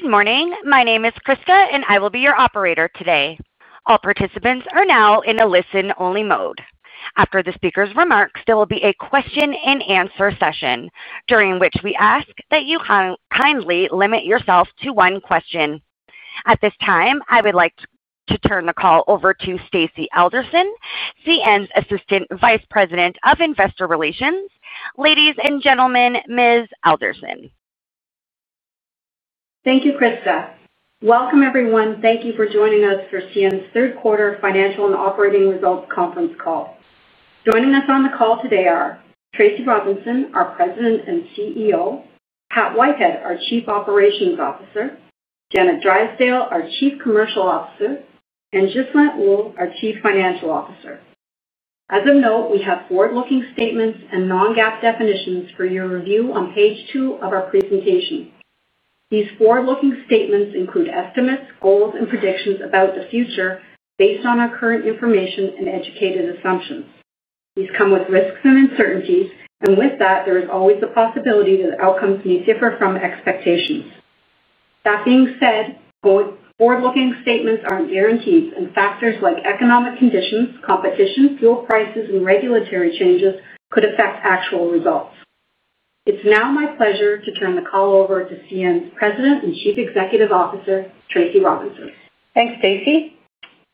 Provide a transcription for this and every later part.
Good morning. My name is Prisca, and I will be your operator today. All participants are now in a listen-only mode. After the speaker's remarks, there will be a question-and-answer session during which we ask that you kindly limit yourself to one question. At this time, I would like to turn the call over to Stacy Alderson, CN's Assistant Vice President of Investor Relations. Ladies and gentlemen, Ms. Alderson. Thank you, Prisca. Welcome, everyone. Thank you for joining us for CN's third quarter financial and operating results conference call. Joining us on the call today are Tracy Robinson, our President and CEO, Pat Whitehead, our Chief Operations Officer, Janet Drysdale, our Chief Commercial Officer, and Ghislain Houle, our Chief Financial Officer. As of note, we have forward-looking statements and non-GAAP definitions for your review on page two of our presentation. These forward-looking statements include estimates, goals, and predictions about the future based on our current information and educated assumptions. These come with risks and uncertainties, and with that, there is always the possibility that outcomes may differ from expectations. That being said, forward-looking statements aren't guaranteed, and factors like economic conditions, competition, fuel prices, and regulatory changes could affect actual results. It's now my pleasure to turn the call over to CN's President and Chief Executive Officer, Tracy Robinson. Thanks, Stacy.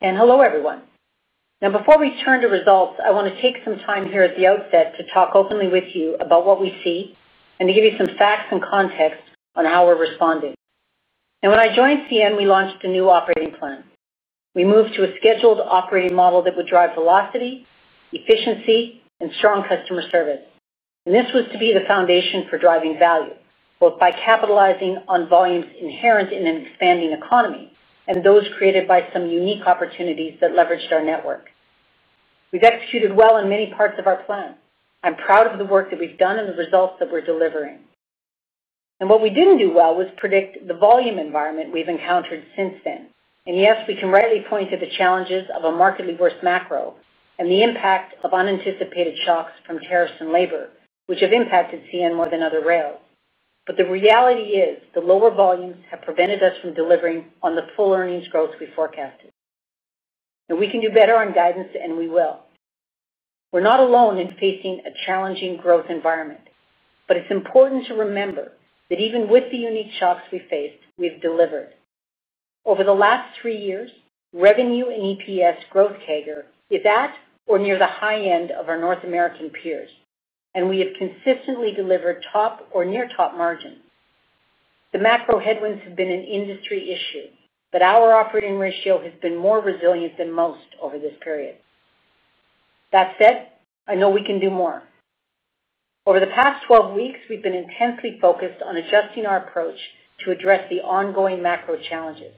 And hello, everyone. Now, before we turn to results, I want to take some time here at the outset to talk openly with you about what we see and to give you some facts and context on how we're responding. Now, when I joined CN, we launched a new operating plan. We moved to a scheduled operating model that would drive velocity, efficiency, and strong customer service. This was to be the foundation for driving value, both by capitalizing on volumes inherent in an expanding economy and those created by some unique opportunities that leveraged our network. We've executed well in many parts of our plan. I'm proud of the work that we've done and the results that we're delivering. What we didn't do well was predict the volume environment we've encountered since then. Yes, we can rightly point to the challenges of a markedly worse macro and the impact of unanticipated shocks from tariffs and labor, which have impacted CN more than other rails. The reality is the lower volumes have prevented us from delivering on the full earnings growth we forecasted. We can do better on guidance, and we will. We're not alone in facing a challenging growth environment, but it's important to remember that even with the unique shocks we faced, we've delivered. Over the last three years, revenue and EPS growth CAGR is at or near the high end of our North American peers, and we have consistently delivered top or near-top margins. The macro headwinds have been an industry issue, but our operating ratio has been more resilient than most over this period. That said, I know we can do more. Over the past 12 weeks, we've been intensely focused on adjusting our approach to address the ongoing macro challenges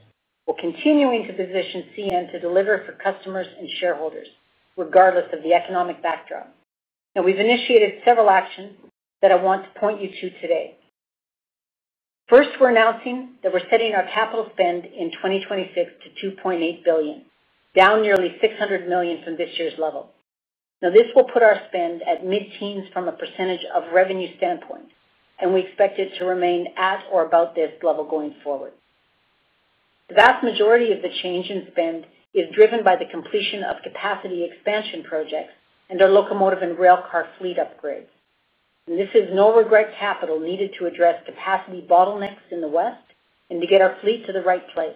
while continuing to position CN to deliver for customers and shareholders, regardless of the economic backdrop. We've initiated several actions that I want to point you to today. First, we're announcing that we're setting our capital spend in 2026 to $2.8 billion, down nearly $600 million from this year's level. This will put our spend at mid-teens from a % of revenue standpoint, and we expect it to remain at or about this level going forward. The vast majority of the change in spend is driven by the completion of capacity expansion projects and our locomotive and railcar fleet upgrades. This is no-regret capital needed to address capacity bottlenecks in the West and to get our fleet to the right place.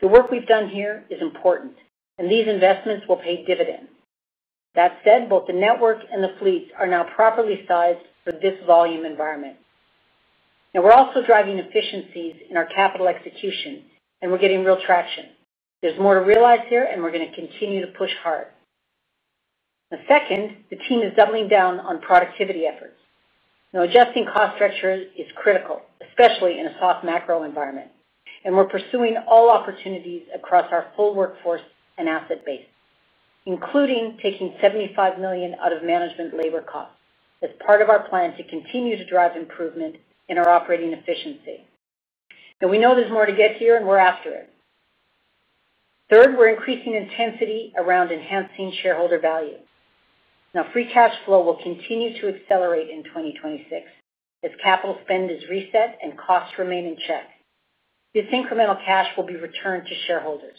The work we've done here is important, and these investments will pay dividends. That said, both the network and the fleets are now properly sized for this volume environment. We're also driving efficiencies in our capital execution, and we're getting real traction. There's more to realize here, and we're going to continue to push hard. Second, the team is doubling down on productivity efforts. Adjusting cost structures is critical, especially in a soft macro environment, and we're pursuing all opportunities across our full workforce and asset base, including taking $75 million out of management labor costs as part of our plan to continue to drive improvement in our operating efficiency. We know there's more to get here, and we're after it. Third, we're increasing intensity around enhancing shareholder value. Free cash flow will continue to accelerate in 2026 as capital spend is reset and costs remain in check. This incremental cash will be returned to shareholders.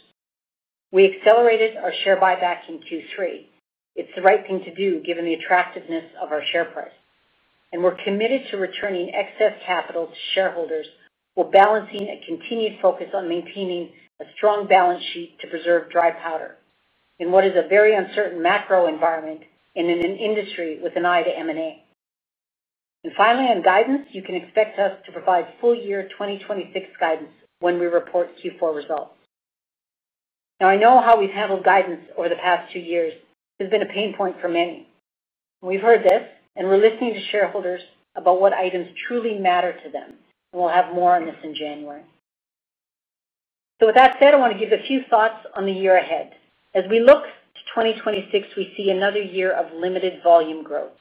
We accelerated our share buyback in Q3. It's the right thing to do given the attractiveness of our share price. We're committed to returning excess capital to shareholders while balancing a continued focus on maintaining a strong balance sheet to preserve dry powder in what is a very uncertain macro environment in an industry with an eye to M&A. Finally, on guidance, you can expect us to provide full-year 2026 guidance when we report Q4 results. I know how we've handled guidance over the past two years has been a pain point for many. We've heard this, and we're listening to shareholders about what items truly matter to them, and we'll have more on this in January. With that said, I want to give a few thoughts on the year ahead. As we look to 2026, we see another year of limited volume growth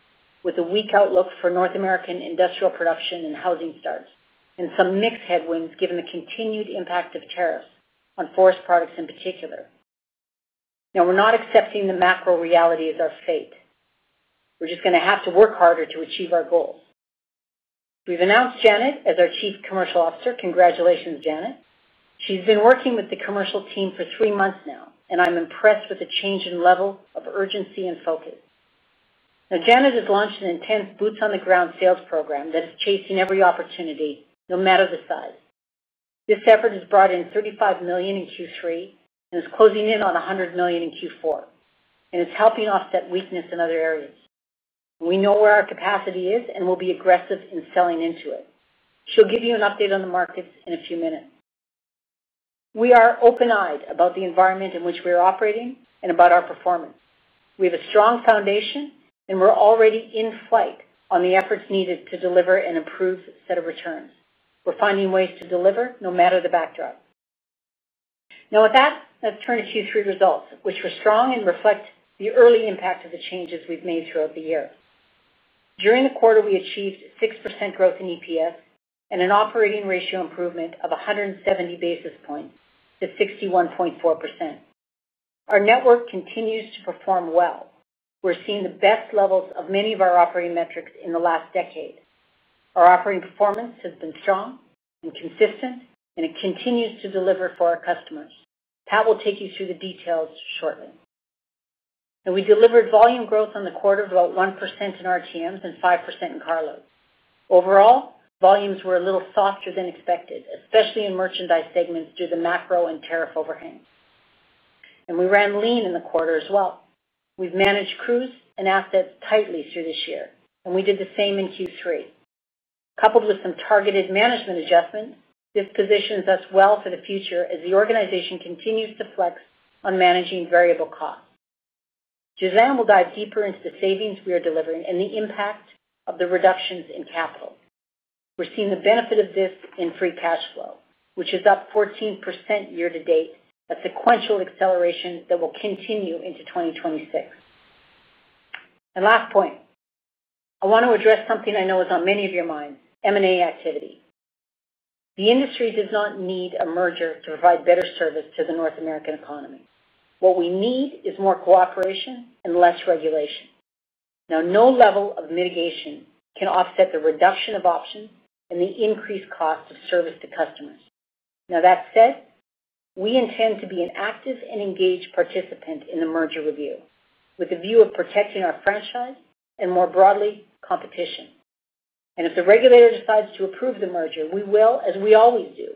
with a weak outlook for North American industrial production and housing starts and some mixed headwinds given the continued impact of tariffs on forest products in particular. We're not accepting the macro reality as our fate. We're just going to have to work harder to achieve our goals. We've announced Janet as our Chief Commercial Officer. Congratulations, Janet. She's been working with the commercial team for three months now, and I'm impressed with the change in level of urgency and focus. Janet has launched an intense boots-on-the-ground sales program that is chasing every opportunity, no matter the size. This effort has brought in $35 million in Q3 and is closing in on $100 million in Q4, and it's helping offset weakness in other areas. We know where our capacity is and will be aggressive in selling into it. She'll give you an update on the markets in a few minutes. We are open-eyed about the environment in which we are operating and about our performance. We have a strong foundation, and we're already in flight on the efforts needed to deliver and improve set of returns. We're finding ways to deliver no matter the backdrop. Now, with that, let's turn to Q3 results, which were strong and reflect the early impact of the changes we've made throughout the year. During the quarter, we achieved six percent growth in EPS and an operating ratio improvement of 170 basis points to 61.4%. Our network continues to perform well. We're seeing the best levels of many of our operating metrics in the last decade. Our operating performance has been strong and consistent, and it continues to deliver for our customers. Pat will take you through the details shortly. Now, we delivered volume growth on the quarter of about one percent in RTMs and five percent in carloads. Overall, volumes were a little softer than expected, especially in merchandise segments due to the macro and tariff overhang. We ran lean in the quarter as well. We've managed crews and assets tightly through this year, and we did the same in Q3. Coupled with some targeted management adjustments, this positions us well for the future as the organization continues to flex on managing variable costs. Ghislain will dive deeper into the savings we are delivering and the impact of the reductions in capital. We're seeing the benefit of this in free cash flow, which is up 14% year to date, a sequential acceleration that will continue into 2026. Last point. I want to address something I know is on many of your minds: M&A activity. The industry does not need a merger to provide better service to the North American economy. What we need is more cooperation and less regulation. No level of mitigation can offset the reduction of options and the increased cost of service to customers. That said, we intend to be an active and engaged participant in the merger review with a view of protecting our franchise and, more broadly, competition. If the regulator decides to approve the merger, we will, as we always do,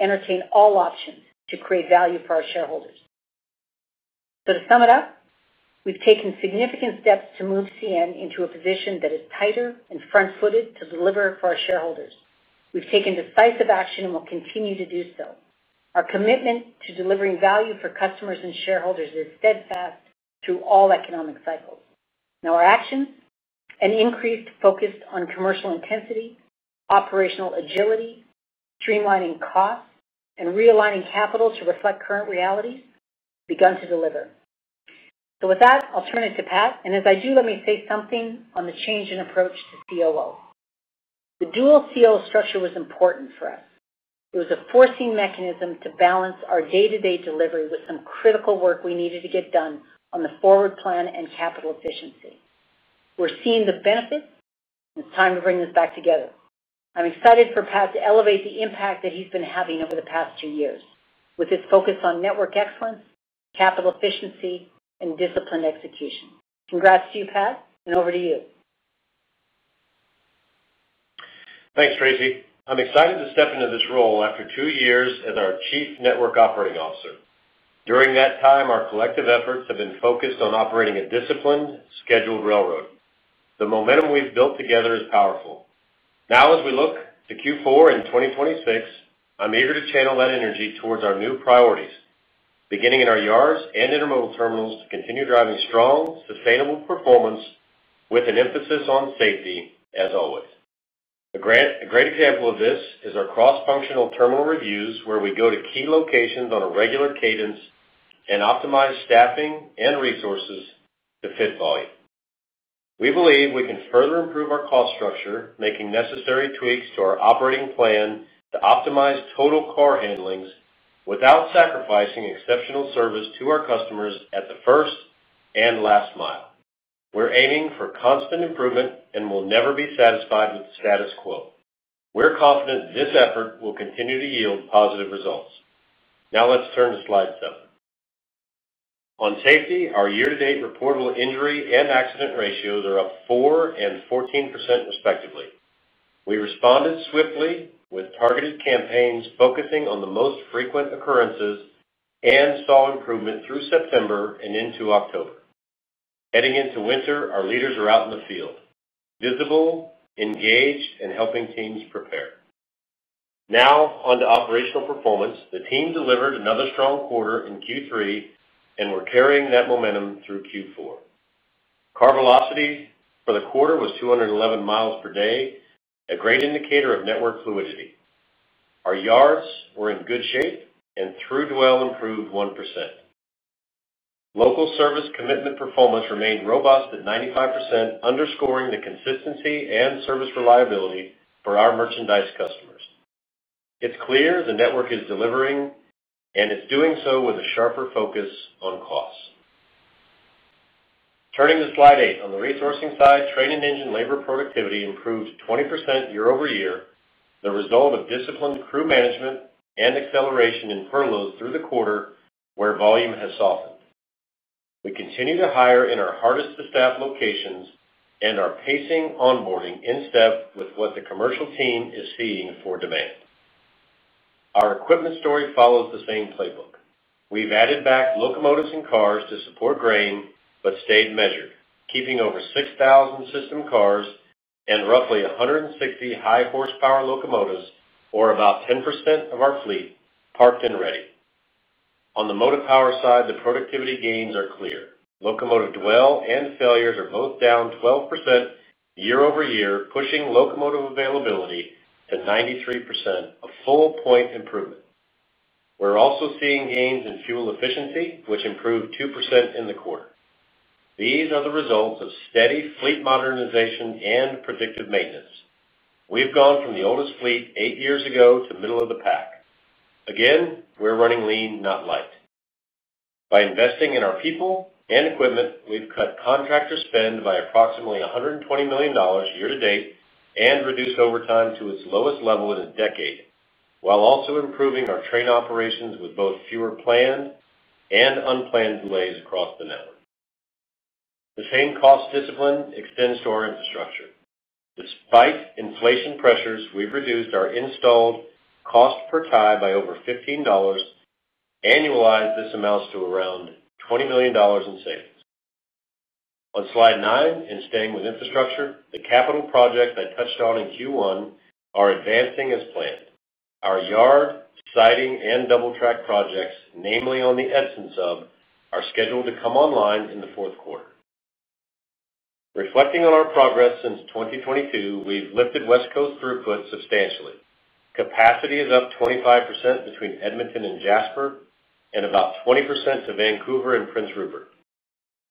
entertain all options to create value for our shareholders. To sum it up, we've taken significant steps to move CN into a position that is tighter and front-footed to deliver for our shareholders. We've taken decisive action and will continue to do so. Our commitment to delivering value for customers and shareholders is steadfast through all economic cycles. Our actions, an increase focused on commercial intensity, operational agility, streamlining costs, and realigning capital to reflect current realities, have begun to deliver. With that, I'll turn it to Pat. As I do, let me say something on the change in approach to COO. The dual COO structure was important for us. It was a forcing mechanism to balance our day-to-day delivery with some critical work we needed to get done on the forward plan and capital efficiency. We're seeing the benefits, and it's time to bring this back together. I'm excited for Pat to elevate the impact that he's been having over the past two years with his focus on network excellence, capital efficiency, and disciplined execution. Congrats to you, Pat, and over to you. Thanks, Tracy. I'm excited to step into this role after two years as our Chief Network Operating Officer. During that time, our collective efforts have been focused on operating a disciplined, scheduled railroad. The momentum we've built together is powerful. Now, as we look to Q4 in 2026, I'm eager to channel that energy towards our new priorities, beginning in our yards and intermodal terminals to continue driving strong, sustainable performance with an emphasis on safety as always. A great example of this is our cross-functional terminal reviews, where we go to key locations on a regular cadence and optimize staffing and resources to fit volume. We believe we can further improve our cost structure, making necessary tweaks to our operating plan to optimize total car handlings without sacrificing exceptional service to our customers at the first and last mile. We're aiming for constant improvement and will never be satisfied with the status quo. We're confident this effort will continue to yield positive results. Now, let's turn to slide seven. On safety, our year-to-date reported injury and accident ratios are up four percent and 14%, respectively. We responded swiftly with targeted campaigns focusing on the most frequent occurrences and saw improvement through September and into October. Heading into winter, our leaders are out in the field, visible, engaged, and helping teams prepare. Now, on to operational performance. The team delivered another strong quarter in Q3, and we're carrying that momentum through Q4. Car velocity for the quarter was 211 miles per day, a great indicator of network fluidity. Our yards were in good shape and through dwell improved one percent. Local service commitment performance remained robust at 95%, underscoring the consistency and service reliability for our merchandise customers. It's clear the network is delivering, and it's doing so with a sharper focus on costs. Turning to slide eight, on the resourcing side, train and engine labor productivity improved 20% year over year, the result of disciplined crew management and acceleration in furloughs through the quarter where volume has softened. We continue to hire in our hardest-to-staff locations and are pacing onboarding in step with what the commercial team is seeing for demand. Our equipment story follows the same playbook. We've added back locomotives and cars to support grain but stayed measured, keeping over 6,000 system cars and roughly 160 high-horsepower locomotives, or about 10% of our fleet, parked and ready. On the motor power side, the productivity gains are clear. Locomotive dwell and failures are both down 12% year over year, pushing locomotive availability to 93%, a full-point improvement. We're also seeing gains in fuel efficiency, which improved two percent in the quarter. These are the results of steady fleet modernization and predictive maintenance. We've gone from the oldest fleet eight years ago to middle of the pack. Again, we're running lean, not light. By investing in our people and equipment, we've cut contractor spend by approximately $120 million year to date and reduced overtime to its lowest level in a decade, while also improving our train operations with both fewer planned and unplanned delays across the network. The same cost discipline extends to our infrastructure. Despite inflation pressures, we've reduced our installed cost per tie by over $15. Annualized, this amounts to around $20 million in savings. On slide nine, and staying with infrastructure, the capital projects I touched on in Q1 are advancing as planned. Our yard, siding, and double-track projects, namely on the Edson sub, are scheduled to come online in the fourth quarter. Reflecting on our progress since 2022, we've lifted West Coast throughput substantially. Capacity is up 25% between Edmonton and Jasper and about 20% to Vancouver and Prince Rupert.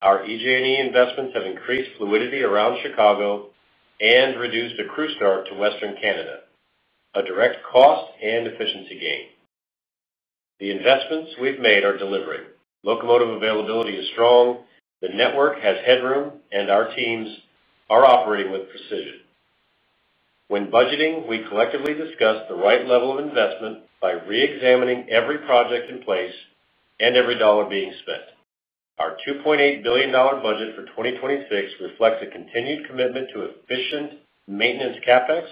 Our EJ&E investments have increased fluidity around Chicago and reduced a crew start to Western Canada, a direct cost and efficiency gain. The investments we've made are delivering. Locomotive availability is strong. The network has headroom, and our teams are operating with precision. When budgeting, we collectively discussed the right level of investment by re-examining every project in place and every dollar being spent. Our $2.8 billion budget for 2026 reflects a continued commitment to efficient maintenance CapEx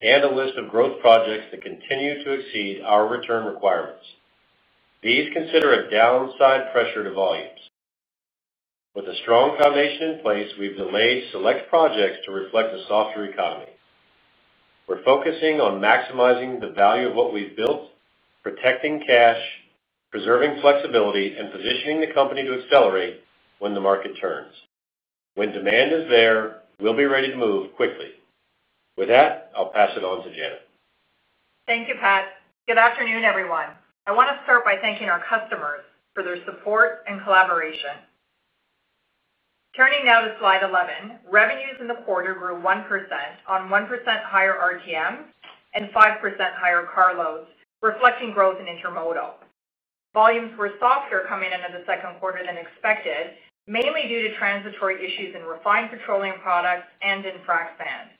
and a list of growth projects that continue to exceed our return requirements. These consider a downside pressure to volumes. With a strong foundation in place, we've delayed select projects to reflect a softer economy. We're focusing on maximizing the value of what we've built, protecting cash, preserving flexibility, and positioning the company to accelerate when the market turns. When demand is there, we'll be ready to move quickly. With that, I'll pass it on to Janet. Thank you, Pat. Good afternoon, everyone. I want to start by thanking our customers for their support and collaboration. Turning now to slide 11, revenues in the quarter grew one percent on one percent higher RTMs and five percent higher car loads, reflecting growth in intermodal. Volumes were softer coming into the second quarter than expected, mainly due to transitory issues in refined petroleum products and in frac sand.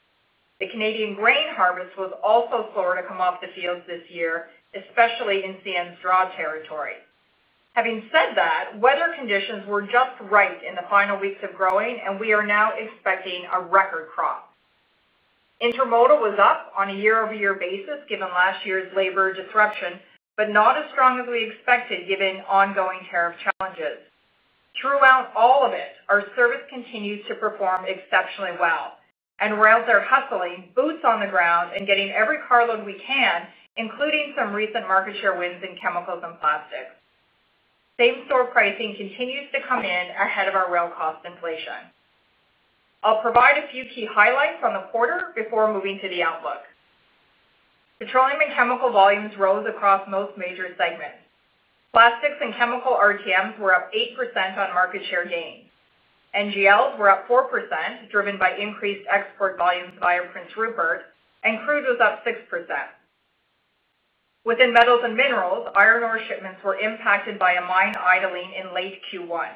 The Canadian grain harvest was also slower to come off the fields this year, especially in CN's draw territory. Having said that, weather conditions were just right in the final weeks of growing, and we are now expecting a record crop. Intermodal was up on a year-over-year basis given last year's labor disruption, but not as strong as we expected given ongoing tariff challenges. Throughout all of it, our service continues to perform exceptionally well, and rails are hustling, boots on the ground, and getting every car load we can, including some recent market share wins in chemicals and plastics. Same-store pricing continues to come in ahead of our rail cost inflation. I'll provide a few key highlights on the quarter before moving to the outlook. Petroleum and chemical volumes rose across most major segments. Plastics and chemical RTMs were up eight percent on market share gains. NGLs were up four percent, driven by increased export volumes via Prince Rupert, and crude was up six percent. Within metals and minerals, iron ore shipments were impacted by a mine idling in late Q1.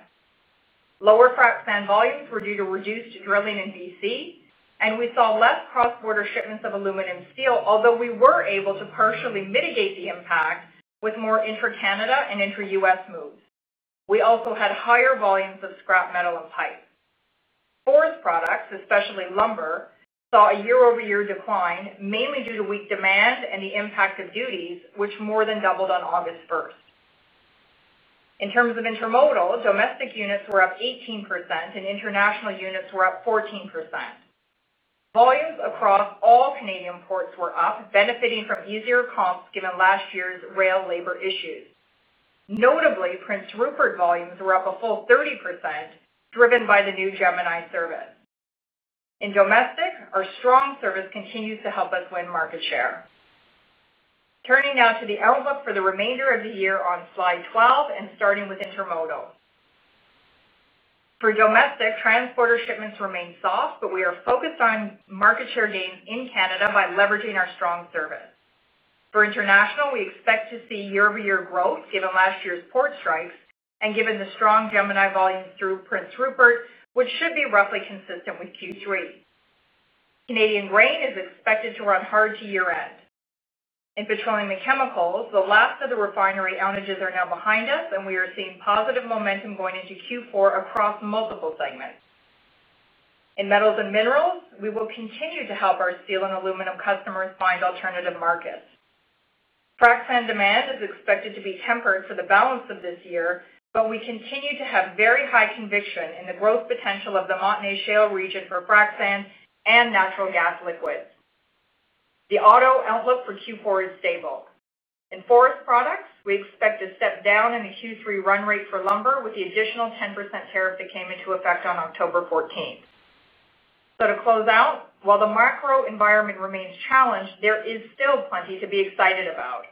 Lower frac sand volumes were due to reduced drilling in BC, and we saw less cross-border shipments of aluminum steel, although we were able to partially mitigate the impact with more intra-Canada and intra-US moves. We also had higher volumes of scrap metal and pipe. Forest products, especially lumber, saw a year-over-year decline, mainly due to weak demand and the impact of duties, which more than doubled on August 1. In terms of intermodal, domestic units were up 18%, and international units were up 14%. Volumes across all Canadian ports were up, benefiting from easier comps given last year's rail labor issues. Notably, Prince Rupert volumes were up a full 30%, driven by the new Gemini service. In domestic, our strong service continues to help us win market share. Turning now to the outlook for the remainder of the year on slide 12 and starting with intermodal. For domestic, transporter shipments remain soft, but we are focused on market share gains in Canada by leveraging our strong service. For international, we expect to see year-over-year growth given last year's port strikes and given the strong Gemini volumes through Prince Rupert, which should be roughly consistent with Q3. Canadian grain is expected to run hard to year-end. In petroleum and chemicals, the last of the refinery outages are now behind us, and we are seeing positive momentum going into Q4 across multiple segments. In metals and minerals, we will continue to help our steel and aluminum customers find alternative markets. Frac sand demand is expected to be tempered for the balance of this year, but we continue to have very high conviction in the growth potential of the Montney Shale region for frac sand and natural gas liquids. The auto outlook for Q4 is stable. In forest products, we expect a step down in the Q3 run rate for lumber with the additional 10% tariff that came into effect on October 14. To close out, while the macro environment remains challenged, there is still plenty to be excited about.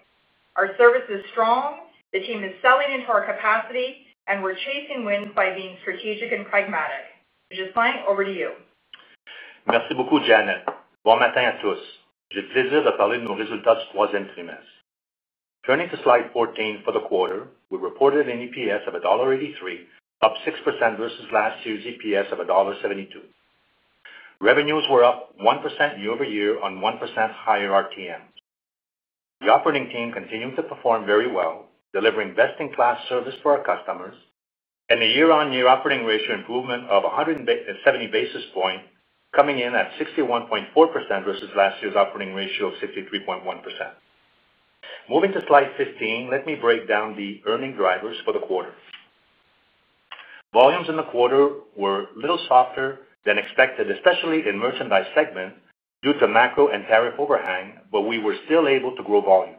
Our service is strong, the team is selling into our capacity, and we're chasing wins by being strategic and pragmatic. Ghislai, over to you. (Non-English content). Turning to slide 14 for the quarter, we reported an EPS of $1.83, up six percent versus last year's EPS of $1.72. Revenues were up one percent year-over-year on one percent higher RTMs. The operating team continued to perform very well, delivering best-in-class service for our customers, and a year-on-year operating ratio improvement of 170 basis points, coming in at 61.4% versus last year's operating ratio of 63.1%. Moving to slide 15, let me break down the earning drivers for the quarter. Volumes in the quarter were a little softer than expected, especially in the merchandise segment due to macro and tariff overhang, but we were still able to grow volume.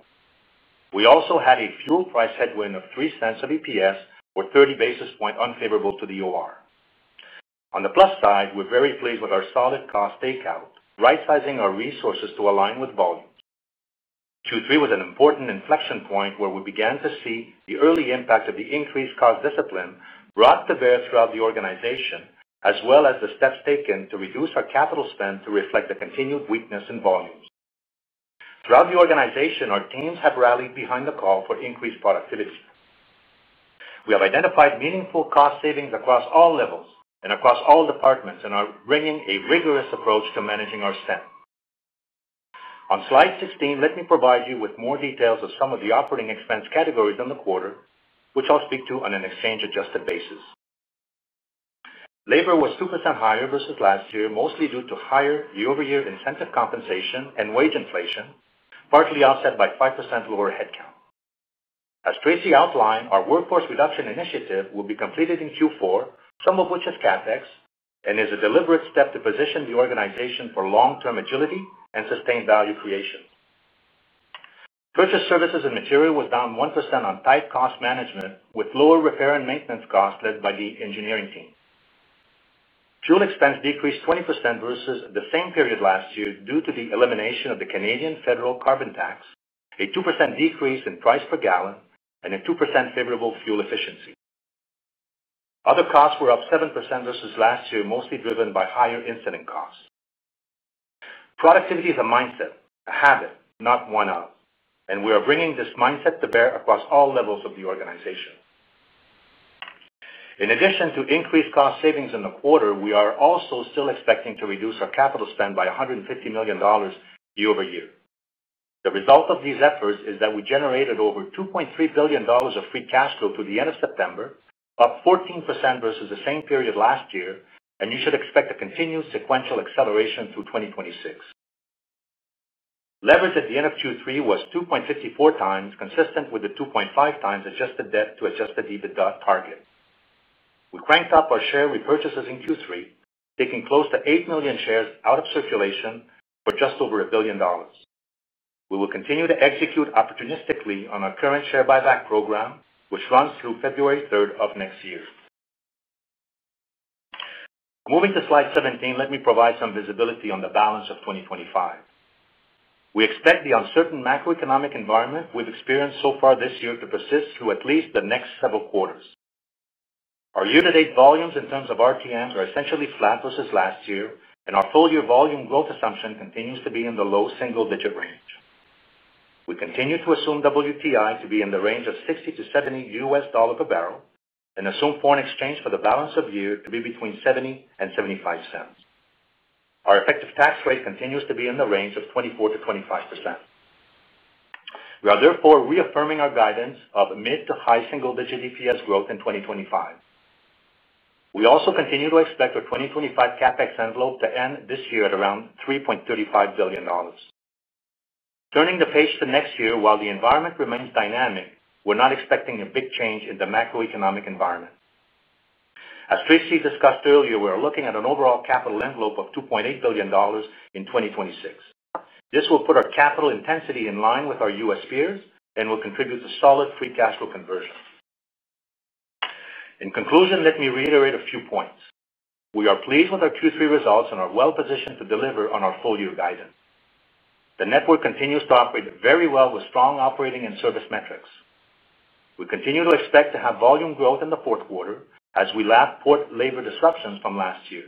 We also had a fuel price headwind of $0.03 of EPS, or 30 basis points unfavorable to the OR. On the plus side, we're very pleased with our solid cost takeout, right-sizing our resources to align with volumes. Q3 was an important inflection point where we began to see the early impact of the increased cost discipline brought to bear throughout the organization, as well as the steps taken to reduce our capital spend to reflect the continued weakness in volumes. Throughout the organization, our teams have rallied behind the call for increased productivity. We have identified meaningful cost savings across all levels and across all departments and are bringing a rigorous approach to managing our spend. On slide 16, let me provide you with more details of some of the operating expense categories in the quarter, which I'll speak to on an exchange-adjusted basis. Labor was two percent higher versus last year, mostly due to higher year-over-year incentive compensation and wage inflation, partly offset by five percent lower headcount. As Tracy outlined, our workforce reduction initiative will be completed in Q4, some of which is CapEx and is a deliberate step to position the organization for long-term agility and sustained value creation. Purchase services and material was down one percent on tight cost management with lower repair and maintenance costs led by the engineering team. Fuel expense decreased 20% versus the same period last year due to the elimination of the Canadian Federal Carbon Tax, a two percent decrease in price per gallon, and a two percent favorable fuel efficiency. Other costs were up seven percent versus last year, mostly driven by higher incident costs. Productivity is a mindset, a habit, not one-off, and we are bringing this mindset to bear across all levels of the organization. In addition to increased cost savings in the quarter, we are also still expecting to reduce our capital spend by $150 million year-over-year. The result of these efforts is that we generated over $2.3 billion of free cash flow through the end of September, up 14% versus the same period last year, and you should expect a continued sequential acceleration through 2026. Leverage at the end of Q3 was 2.54 times, consistent with the 2.5x adjusted debt to adjusted EBITDA target. We cranked up our share repurchases in Q3, taking close to 8 million shares out of circulation for just over $1 billion. We will continue to execute opportunistically on our current share buyback program, which runs through February three of next year. Moving to slide 17, let me provide some visibility on the balance of 2025. We expect the uncertain macroeconomic environment we've experienced so far this year to persist through at least the next several quarters. Our year-to-date volumes in terms of RTMs are essentially flat versus last year, and our full-year volume growth assumption continues to be in the low single-digit range. We continue to assume WTI to be in the range of $60 - $70 per barrel and assume foreign exchange for the balance of year to be between $0.70 and $0.75. Our effective tax rate continues to be in the range of 24% - 25%. We are therefore reaffirming our guidance of mid to high single-digit EPS growth in 2025. We also continue to expect our 2025 CapEx envelope to end this year at around $3.35 billion. Turning the page to next year, while the environment remains dynamic, we're not expecting a big change in the macroeconomic environment. As Tracy discussed earlier, we are looking at an overall capital envelope of $2.8 billion in 2026. This will put our capital intensity in line with our U.S. peers and will contribute to solid free cash flow conversion. In conclusion, let me reiterate a few points. We are pleased with our Q3 results and are well-positioned to deliver on our full-year guidance. The network continues to operate very well with strong operating and service metrics. We continue to expect to have volume growth in the fourth quarter as we lap port labor disruptions from last year.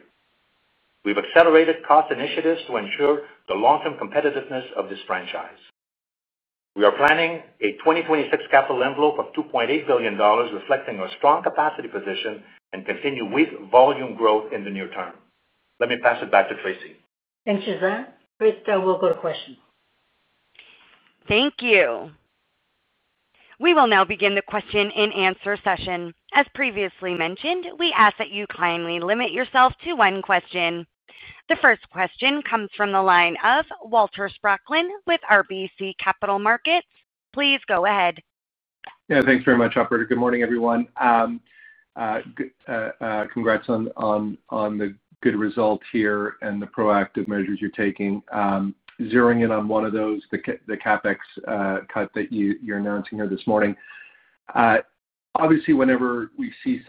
We've accelerated cost initiatives to ensure the long-term competitiveness of this franchise. We are planning a 2026 capital envelope of $2.8 billion, reflecting our strong capacity position and continued weak volume growth in the near term. Let me pass it back to Tracy. Thanks, Ghislain. Prisca, I will go to questions. Thank you. We will now begin the question and answer session. As previously mentioned, we ask that you kindly limit yourself to one question. The first question comes from the line of Walter Spracklin with RBC Capital Markets. Please go ahead. Yeah, thanks very much, Operator. Good morning, everyone. Congrats on the good results here and the proactive measures you're taking. Zeroing in on one of those, the CapEx cut that you're announcing here this morning. Obviously, whenever we see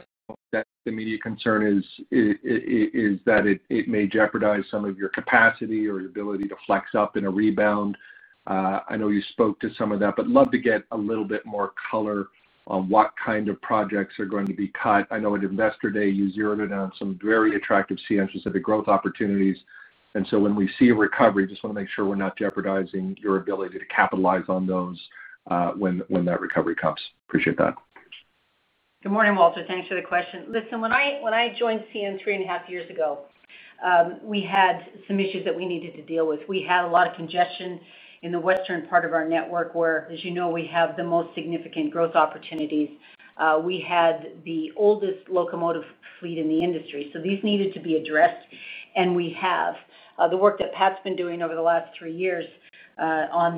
something like that, the immediate concern is that it may jeopardize some of your capacity or your ability to flex up in a rebound. I know you spoke to some of that, but I'd love to get a little bit more color on what kind of projects are going to be cut. I know at Investor Day, you zeroed in on some very attractive CN-specific growth opportunities. When we see a recovery, I just want to make sure we're not jeopardizing your ability to capitalize on those when that recovery comes. Appreciate that. Good morning, Walter. Thanks for the question. Listen, when I joined CN three and a half years ago, we had some issues that we needed to deal with. We had a lot of congestion in the western part of our network where, as you know, we have the most significant growth opportunities. We had the oldest locomotive fleet in the industry. These needed to be addressed. We have the work that Pat's been doing over the last three years on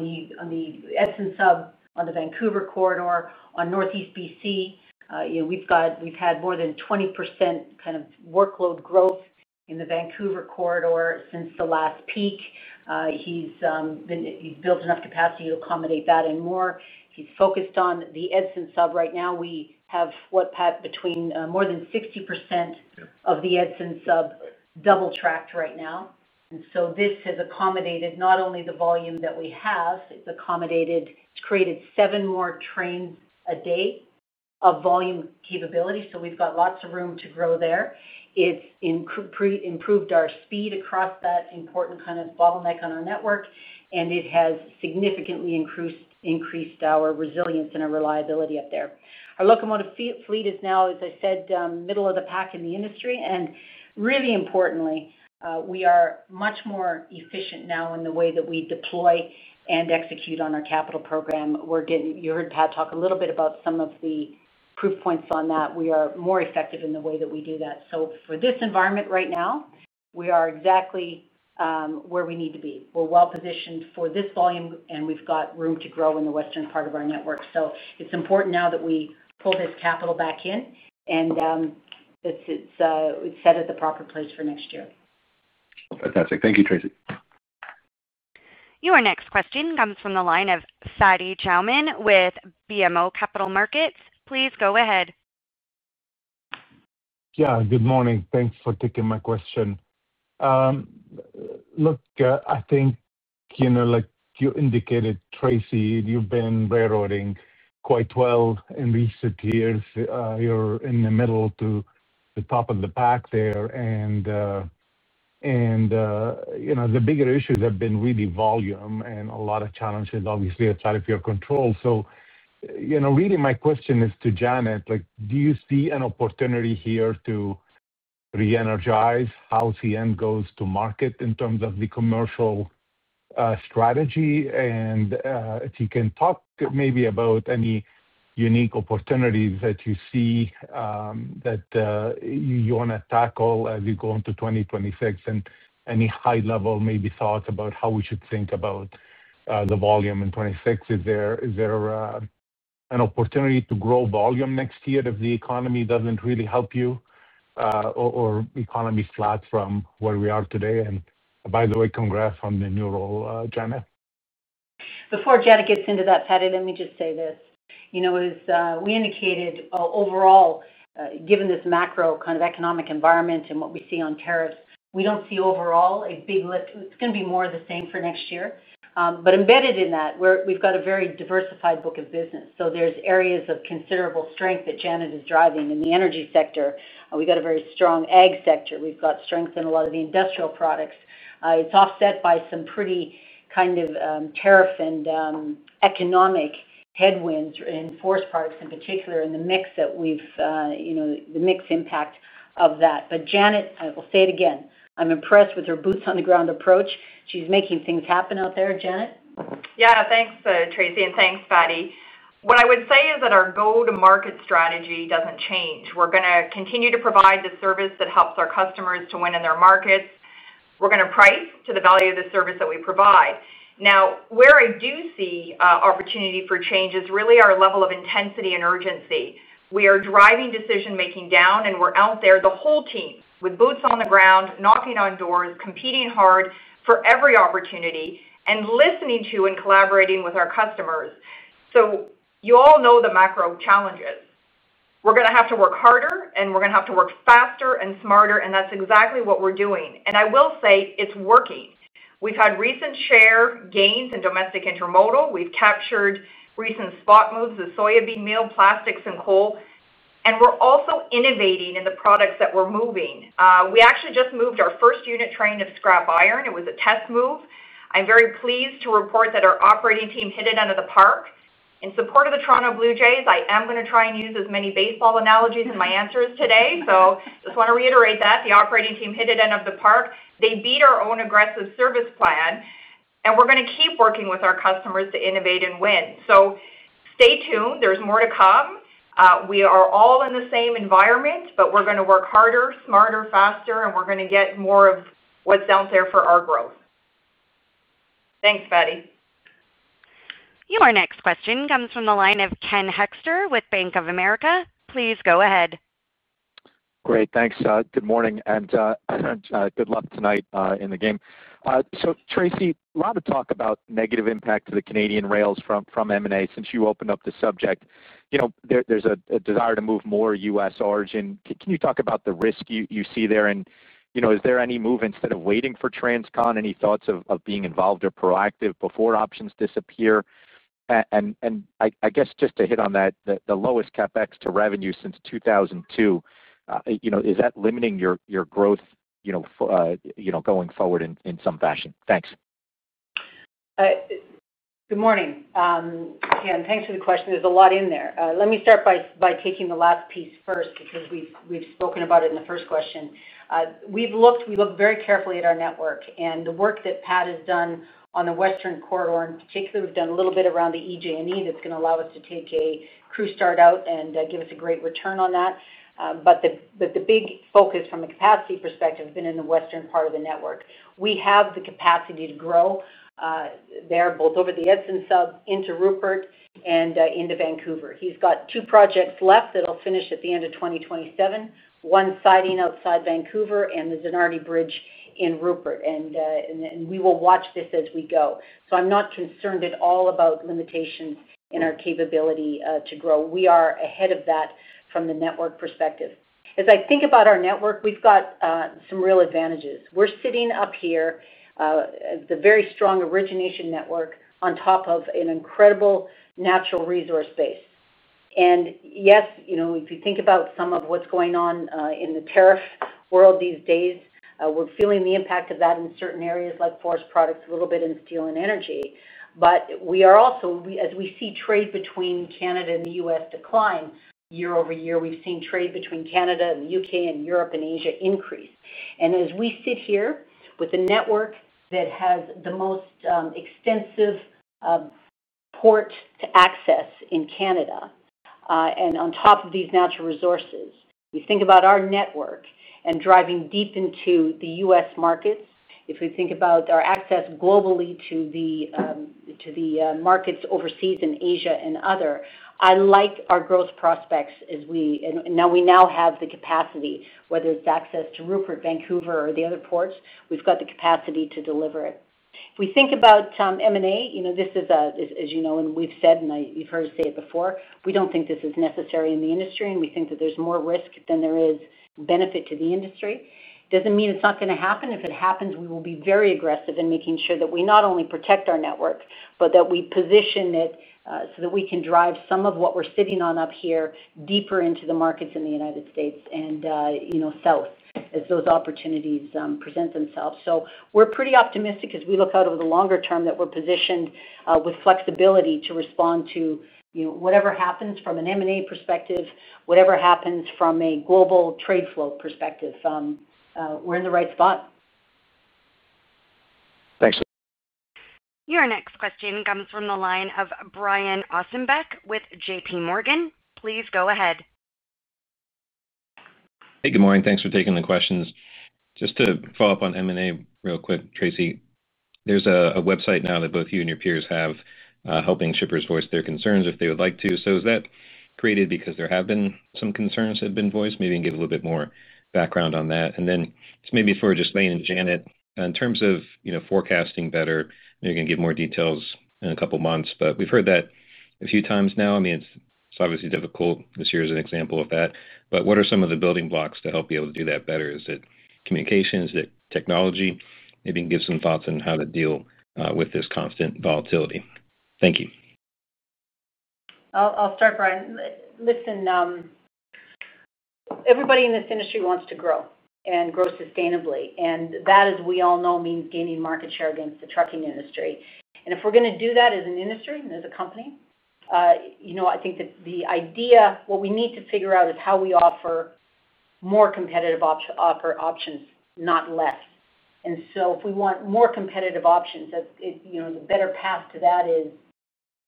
the Edson Sub, on the Vancouver Corridor, on Northeast BC. We've had more than 20% kind of workload growth in the Vancouver Corridor since the last peak. He's built enough capacity to accommodate that and more. He's focused on the Edson Sub right now. We have, what, Pat, more than 60% of the Edson Sub double-tracked right now. This has accommodated not only the volume that we have, it's created seven more trains a day of volume capability. We've got lots of room to grow there. It's improved our speed across that important kind of bottleneck on our network, and it has significantly increased our resilience and our reliability up there. Our locomotive fleet is now, as I said, middle of the pack in the industry. Really importantly, we are much more efficient now in the way that we deploy and execute on our capital program. You heard Pat talk a little bit about some of the proof points on that. We are more effective in the way that we do that. For this environment right now, we are exactly where we need to be. We're well-positioned for this volume, and we've got room to grow in the western part of our network. It's important now that we pull this capital back in and it's set at the proper place for next year. Fantastic. Thank you, Tracy. Your next question comes from the line of Fadi Chamoun with BMO Capital Markets. Please go ahead. Good morning. Thanks for taking my question. Like you indicated, Tracy, you've been railroading quite well in recent years. You're in the middle to the top of the pack there. The bigger issues have been really volume and a lot of challenges, obviously, outside of your control. My question is to Janet, do you see an opportunity here to re-energize how CN goes to market in terms of the commercial strategy? If you can talk maybe about any unique opportunities that you see that you want to tackle as you go into 2026 and any high-level thoughts about how we should think about the volume in 2026? Is there an opportunity to grow volume next year if the economy doesn't really help you or the economy's flat from where we are today? By the way, congrats on the new role, Janet. Before Janet gets into that, Fadi, let me just say this. We indicated overall, given this macro kind of economic environment and what we see on tariffs, we don't see overall a big lift. It's going to be more of the same for next year. Embedded in that, we've got a very diversified book of business. There's areas of considerable strength that Janet is driving in the energy sector. We've got a very strong ag sector. We've got strength in a lot of the industrial products. It's offset by some pretty kind of tariff and economic headwinds and force products in particular in the mix that we've. The mixed impact of that. Janet, I will say it again, I'm impressed with her boots-on-the-ground approach. She's making things happen out there, Janet. Yeah, thanks, Tracy, and thanks, Fadi. What I would say is that our go-to-market strategy doesn't change. We're going to continue to provide the service that helps our customers to win in their markets. We're going to price to the value of the service that we provide. Now, where I do see opportunity for change is really our level of intensity and urgency. We are driving decision-making down, and we're out there, the whole team with boots on the ground, knocking on doors, competing hard for every opportunity, and listening to and collaborating with our customers. You all know the macro challenges. We're going to have to work harder, and we're going to have to work faster and smarter, and that's exactly what we're doing. I will say it's working. We've had recent share gains in domestic intermodal. We've captured recent spot moves in soybean meal, plastics, and coal. We're also innovating in the products that we're moving. We actually just moved our first unit train of scrap iron. It was a test move. I'm very pleased to report that our operating team hit it out of the park. In support of the Toronto Blue Jays, I am going to try and use as many baseball analogies in my answers today. I just want to reiterate that. The operating team hit it out of the park. They beat our own aggressive service plan. We're going to keep working with our customers to innovate and win. Stay tuned. There's more to come. We are all in the same environment, but we're going to work harder, smarter, faster, and we're going to get more of what's out there for our growth. Thanks, Pat. Your next question comes from the line of Kenneth Hoexter with BofA Securities. Please go ahead. Great. Thanks. Good morning and good luck tonight in the game. Tracy, a lot of talk about negative impact to the Canadian rails from M&A since you opened up the subject. There's a desire to move more U.S. origin. Can you talk about the risk you see there? Is there any move instead of waiting for Transcon? Any thoughts of being involved or proactive before options disappear? I guess just to hit on that, the lowest CapEx to revenue since 2002. Is that limiting your growth going forward in some fashion? Thanks. Good morning. Again, thanks for the question. There's a lot in there. Let me start by taking the last piece first because we've spoken about it in the first question. We've looked very carefully at our network. The work that Pat has done on the western corridor, in particular, we've done a little bit around the EJ&E that's going to allow us to take a crew start out and give us a great return on that. The big focus from a capacity perspective has been in the western part of the network. We have the capacity to grow there, both over the Edson Sub into Prince Rupert and into Vancouver. He's got two projects left that will finish at the end of 2027, one siding outside Vancouver and the Zanardi Bridge in Prince Rupert. We will watch this as we go. I'm not concerned at all about limitations in our capability to grow. We are ahead of that from the network perspective. As I think about our network, we've got some real advantages. We're sitting up here, a very strong origination network on top of an incredible natural resource base. Yes, if you think about some of what's going on in the tariff world these days, we're feeling the impact of that in certain areas like forest products, a little bit in steel and energy. We are also, as we see trade between Canada and the U.S. decline year over year, seeing trade between Canada and the U.K. and Europe and Asia increase. As we sit here with a network that has the most extensive port access in Canada, and on top of these natural resources, we think about our network and driving deep into the U.S. markets. If we think about our access globally to the markets overseas in Asia and other regions, I like our growth prospects as we now have the capacity, whether it's access to Prince Rupert, Vancouver, or the other ports, we've got the capacity to deliver it. If we think about M&A, this is, as you know, and we've said, and you've heard us say it before, we don't think this is necessary in the industry, and we think that there's more risk than there is benefit to the industry. It doesn't mean it's not going to happen. If it happens, we will be very aggressive in making sure that we not only protect our network, but that we position it so that we can drive some of what we're sitting on up here deeper into the markets in the United States and south as those opportunities present themselves. We're pretty optimistic as we look out over the longer term that we're positioned with flexibility to respond to whatever happens from an M&A perspective, whatever happens from a global trade flow perspective. We're in the right spot. Thanks. Your next question comes from the line of Brian Ossenbeck with JPMorgan Chase & Co. Please go ahead. Hey, good morning. Thanks for taking the questions. Just to follow up on M&A real quick, Tracy, there's a website now that both you and your peers have helping shippers voice their concerns if they would like to. Is that created because there have been some concerns that have been voiced? Maybe you can give a little bit more background on that. For Ghislain and Janet, in terms of forecasting better, maybe you can give more details in a couple of months. We've heard that a few times now. It's obviously difficult. This year is an example of that. What are some of the building blocks to help be able to do that better? Is it communication? Is it technology? Maybe you can give some thoughts on how to deal with this constant volatility. Thank you. I'll start, Brian. Listen. Everybody in this industry wants to grow and grow sustainably. That, as we all know, means gaining market share against the trucking industry. If we're going to do that as an industry and as a company, I think that the idea, what we need to figure out is how we offer more competitive options, not less. If we want more competitive options, the better path to that is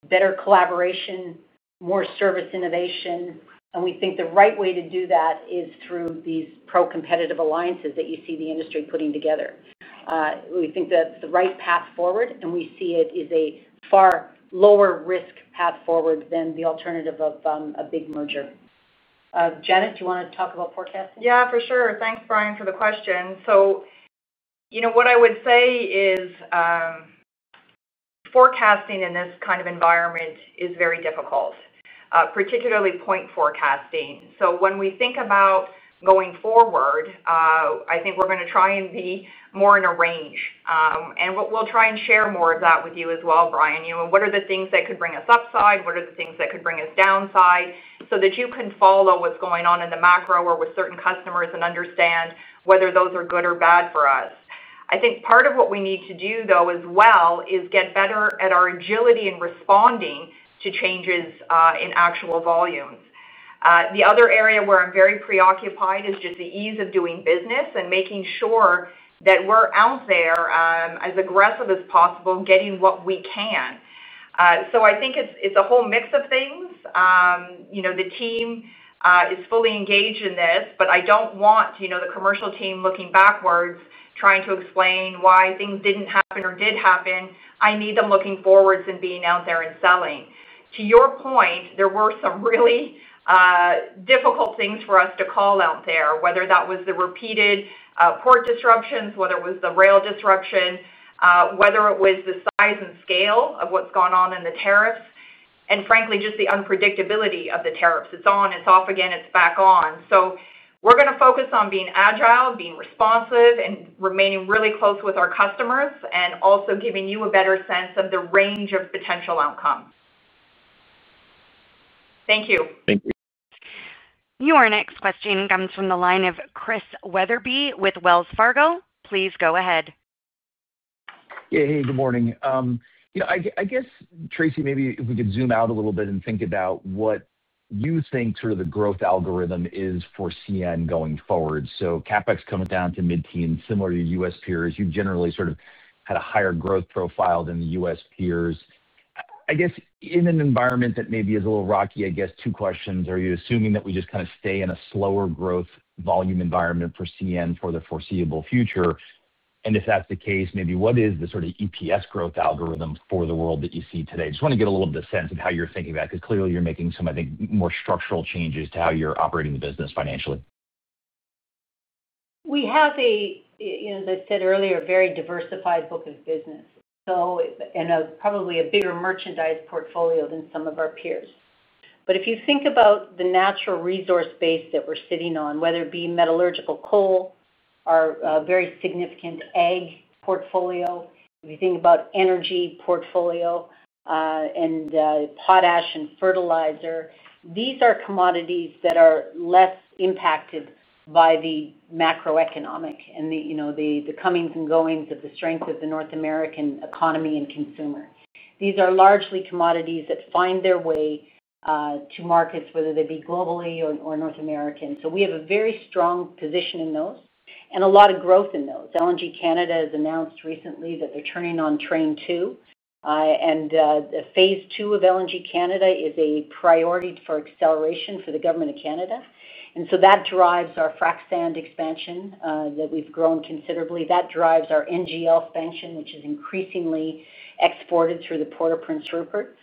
better collaboration, more service innovation. We think the right way to do that is through these pro-competitive alliances that you see the industry putting together. We think that's the right path forward, and we see it as a far lower risk path forward than the alternative of a big merger. Janet, do you want to talk about forecasting? Yeah, for sure. Thanks, Brian, for the question. What I would say is forecasting in this kind of environment is very difficult, particularly point forecasting. When we think about going forward, I think we're going to try and be more in a range, and we'll try and share more of that with you as well, Brian. What are the things that could bring us upside? What are the things that could bring us downside so that you can follow what's going on in the macro or with certain customers and understand whether those are good or bad for us? I think part of what we need to do, though, as well, is get better at our agility in responding to changes in actual volumes. The other area where I'm very preoccupied is just the ease of doing business and making sure that we're out there as aggressive as possible and getting what we can. I think it's a whole mix of things. The team is fully engaged in this, but I don't want the commercial team looking backwards, trying to explain why things didn't happen or did happen. I need them looking forwards and being out there and selling. To your point, there were some really difficult things for us to call out there, whether that was the repeated port disruptions, whether it was the rail disruption, whether it was the size and scale of what's gone on in the tariffs, and frankly, just the unpredictability of the tariffs. It's on, it's off again, it's back on. We're going to focus on being agile, being responsive, and remaining really close with our customers and also giving you a better sense of the range of potential outcomes. Thank you. Thank you. Your next question comes from the line of Chris Wetherbee with Wells Fargo Securities. Please go ahead. Yeah, hey, good morning. I guess, Tracy, maybe if we could zoom out a little bit and think about what you think sort of the growth algorithm is for CN going forward. CapEx comes down to mid-teen, similar to U.S. peers. You've generally sort of had a higher growth profile than the U.S. peers. I guess in an environment that maybe is a little rocky, I guess, two questions. Are you assuming that we just kind of stay in a slower growth volume environment for CN for the foreseeable future? If that's the case, maybe what is the sort of EPS growth algorithm for the world that you see today? Just want to get a little bit of a sense of how you're thinking about it because clearly you're making some, I think, more structural changes to how you're operating the business financially. We have a, as I said earlier, very diversified book of business. Probably a bigger merchandise portfolio than some of our peers. If you think about the natural resource base that we're sitting on, whether it be metallurgical coal, our very significant ag portfolio, if you think about energy portfolio, and potash and fertilizer, these are commodities that are less impacted by the macroeconomic and the comings and goings of the strength of the North American economy and consumer. These are largely commodities that find their way to markets, whether they be globally or North American. We have a very strong position in those and a lot of growth in those. LNG Canada has announced recently that they're turning on train two. Phase II of LNG Canada is a priority for acceleration for the government of Canada. That drives our frac sand expansion that we've grown considerably. That drives our NGL expansion, which is increasingly exported through the Port of Prince Rupert.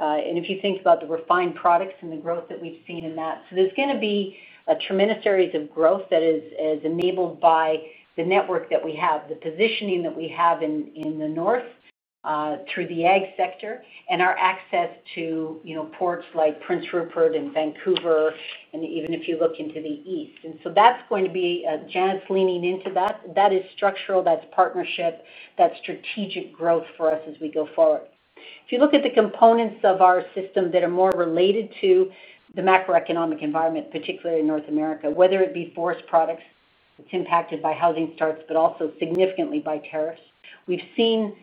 If you think about the refined products and the growth that we've seen in that, there's going to be a tremendous series of growth that is enabled by the network that we have, the positioning that we have in the north. Through the ag sector, and our access to ports like Prince Rupert and Vancouver, and even if you look into the east. That's going to be Janet's leaning into that. That is structural. That's partnership. That's strategic growth for us as we go forward. If you look at the components of our system that are more related to the macroeconomic environment, particularly in North America, whether it be forest products, it's impacted by housing starts, but also significantly by tariffs. We've seen that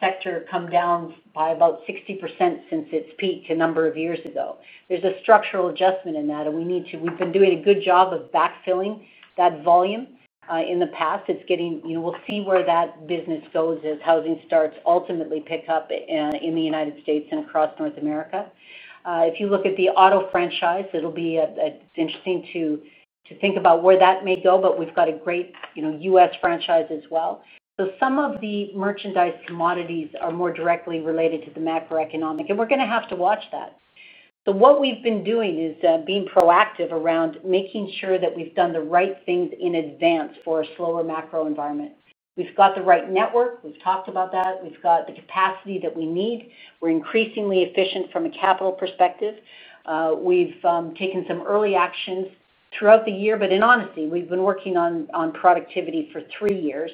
sector come down by about 60% since its peak a number of years ago. There's a structural adjustment in that, and we've been doing a good job of backfilling that volume in the past. It's getting—we'll see where that business goes as housing starts ultimately pick up in the United States and across North America. If you look at the auto franchise, it'll be interesting to think about where that may go, but we've got a great U.S. franchise as well. Some of the merchandise commodities are more directly related to the macroeconomic, and we're going to have to watch that. What we've been doing is being proactive around making sure that we've done the right things in advance for a slower macro environment. We've got the right network. We've talked about that. We've got the capacity that we need. We're increasingly efficient from a capital perspective. We've taken some early actions throughout the year, but in honesty, we've been working on productivity for three years,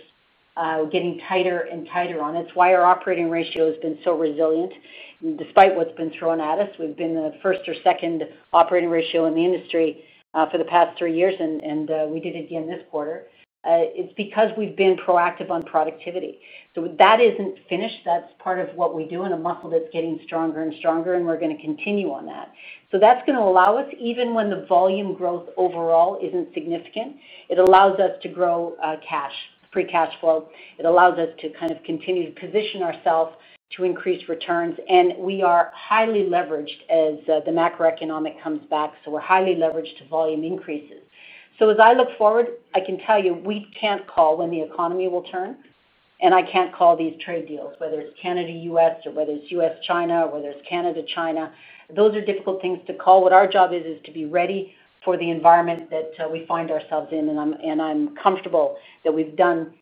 getting tighter and tighter on. It's why our operating ratio has been so resilient. Despite what's been thrown at us, we've been the first or second operating ratio in the industry for the past three years, and we did it again this quarter. It's because we've been proactive on productivity. That isn't finished. That's part of what we do in a muscle that's getting stronger and stronger, and we're going to continue on that. That's going to allow us, even when the volume growth overall isn't significant, it allows us to grow cash, free cash flow. It allows us to kind of continue to position ourselves to increase returns. We are highly leveraged as the macroeconomic comes back. We're highly leveraged to volume increases. As I look forward, I can tell you we can't call when the economy will turn, and I can't call these trade deals, whether it's Canada-U.S. or whether it's U.S.-China or whether it's Canada-China. Those are difficult things to call. What our job is, is to be ready for the environment that we find ourselves in. I'm comfortable that we've done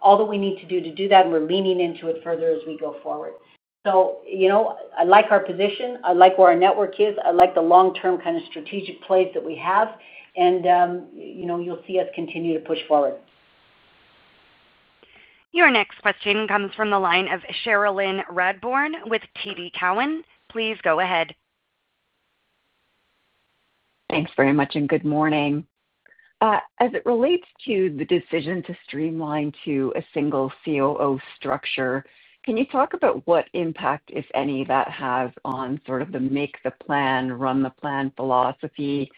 all that we need to do to do that, and we're leaning into it further as we go forward. I like our position. I like where our network is. I like the long-term kind of strategic place that we have. You'll see us continue to push forward. Your next question comes from the line of Cherilyn Radbourne with TD Cowen. Please go ahead. Thanks very much and good morning. As it relates to the decision to streamline to a single COO structure, can you talk about what impact, if any, that has on sort of the make-the-plan, run-the-plan philosophy?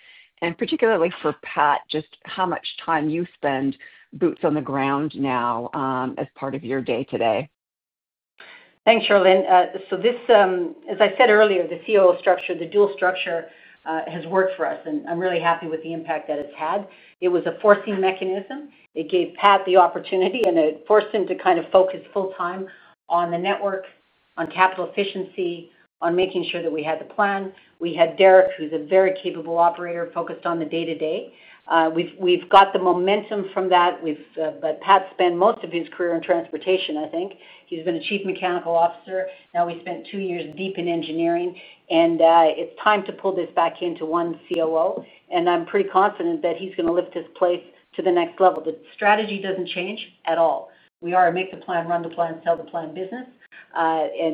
Particularly for Pat, just how much time you spend boots on the ground now as part of your day today. Thanks, Cherilyn. As I said earlier, the COO structure, the dual structure has worked for us, and I'm really happy with the impact that it's had. It was a forcing mechanism. It gave Pat the opportunity, and it forced him to kind of focus full-time on the network, on capital efficiency, on making sure that we had the plan. We had Derek, who's a very capable operator, focused on the day-to-day. We've got the momentum from that. Pat spent most of his career in transportation, I think. He's been a Chief Mechanical Officer. Now we spent two years deep in engineering. It's time to pull this back into one COO. I'm pretty confident that he's going to lift his place to the next level. The strategy doesn't change at all. We are a make-the-plan, run-the-plan, sell-the-plan business.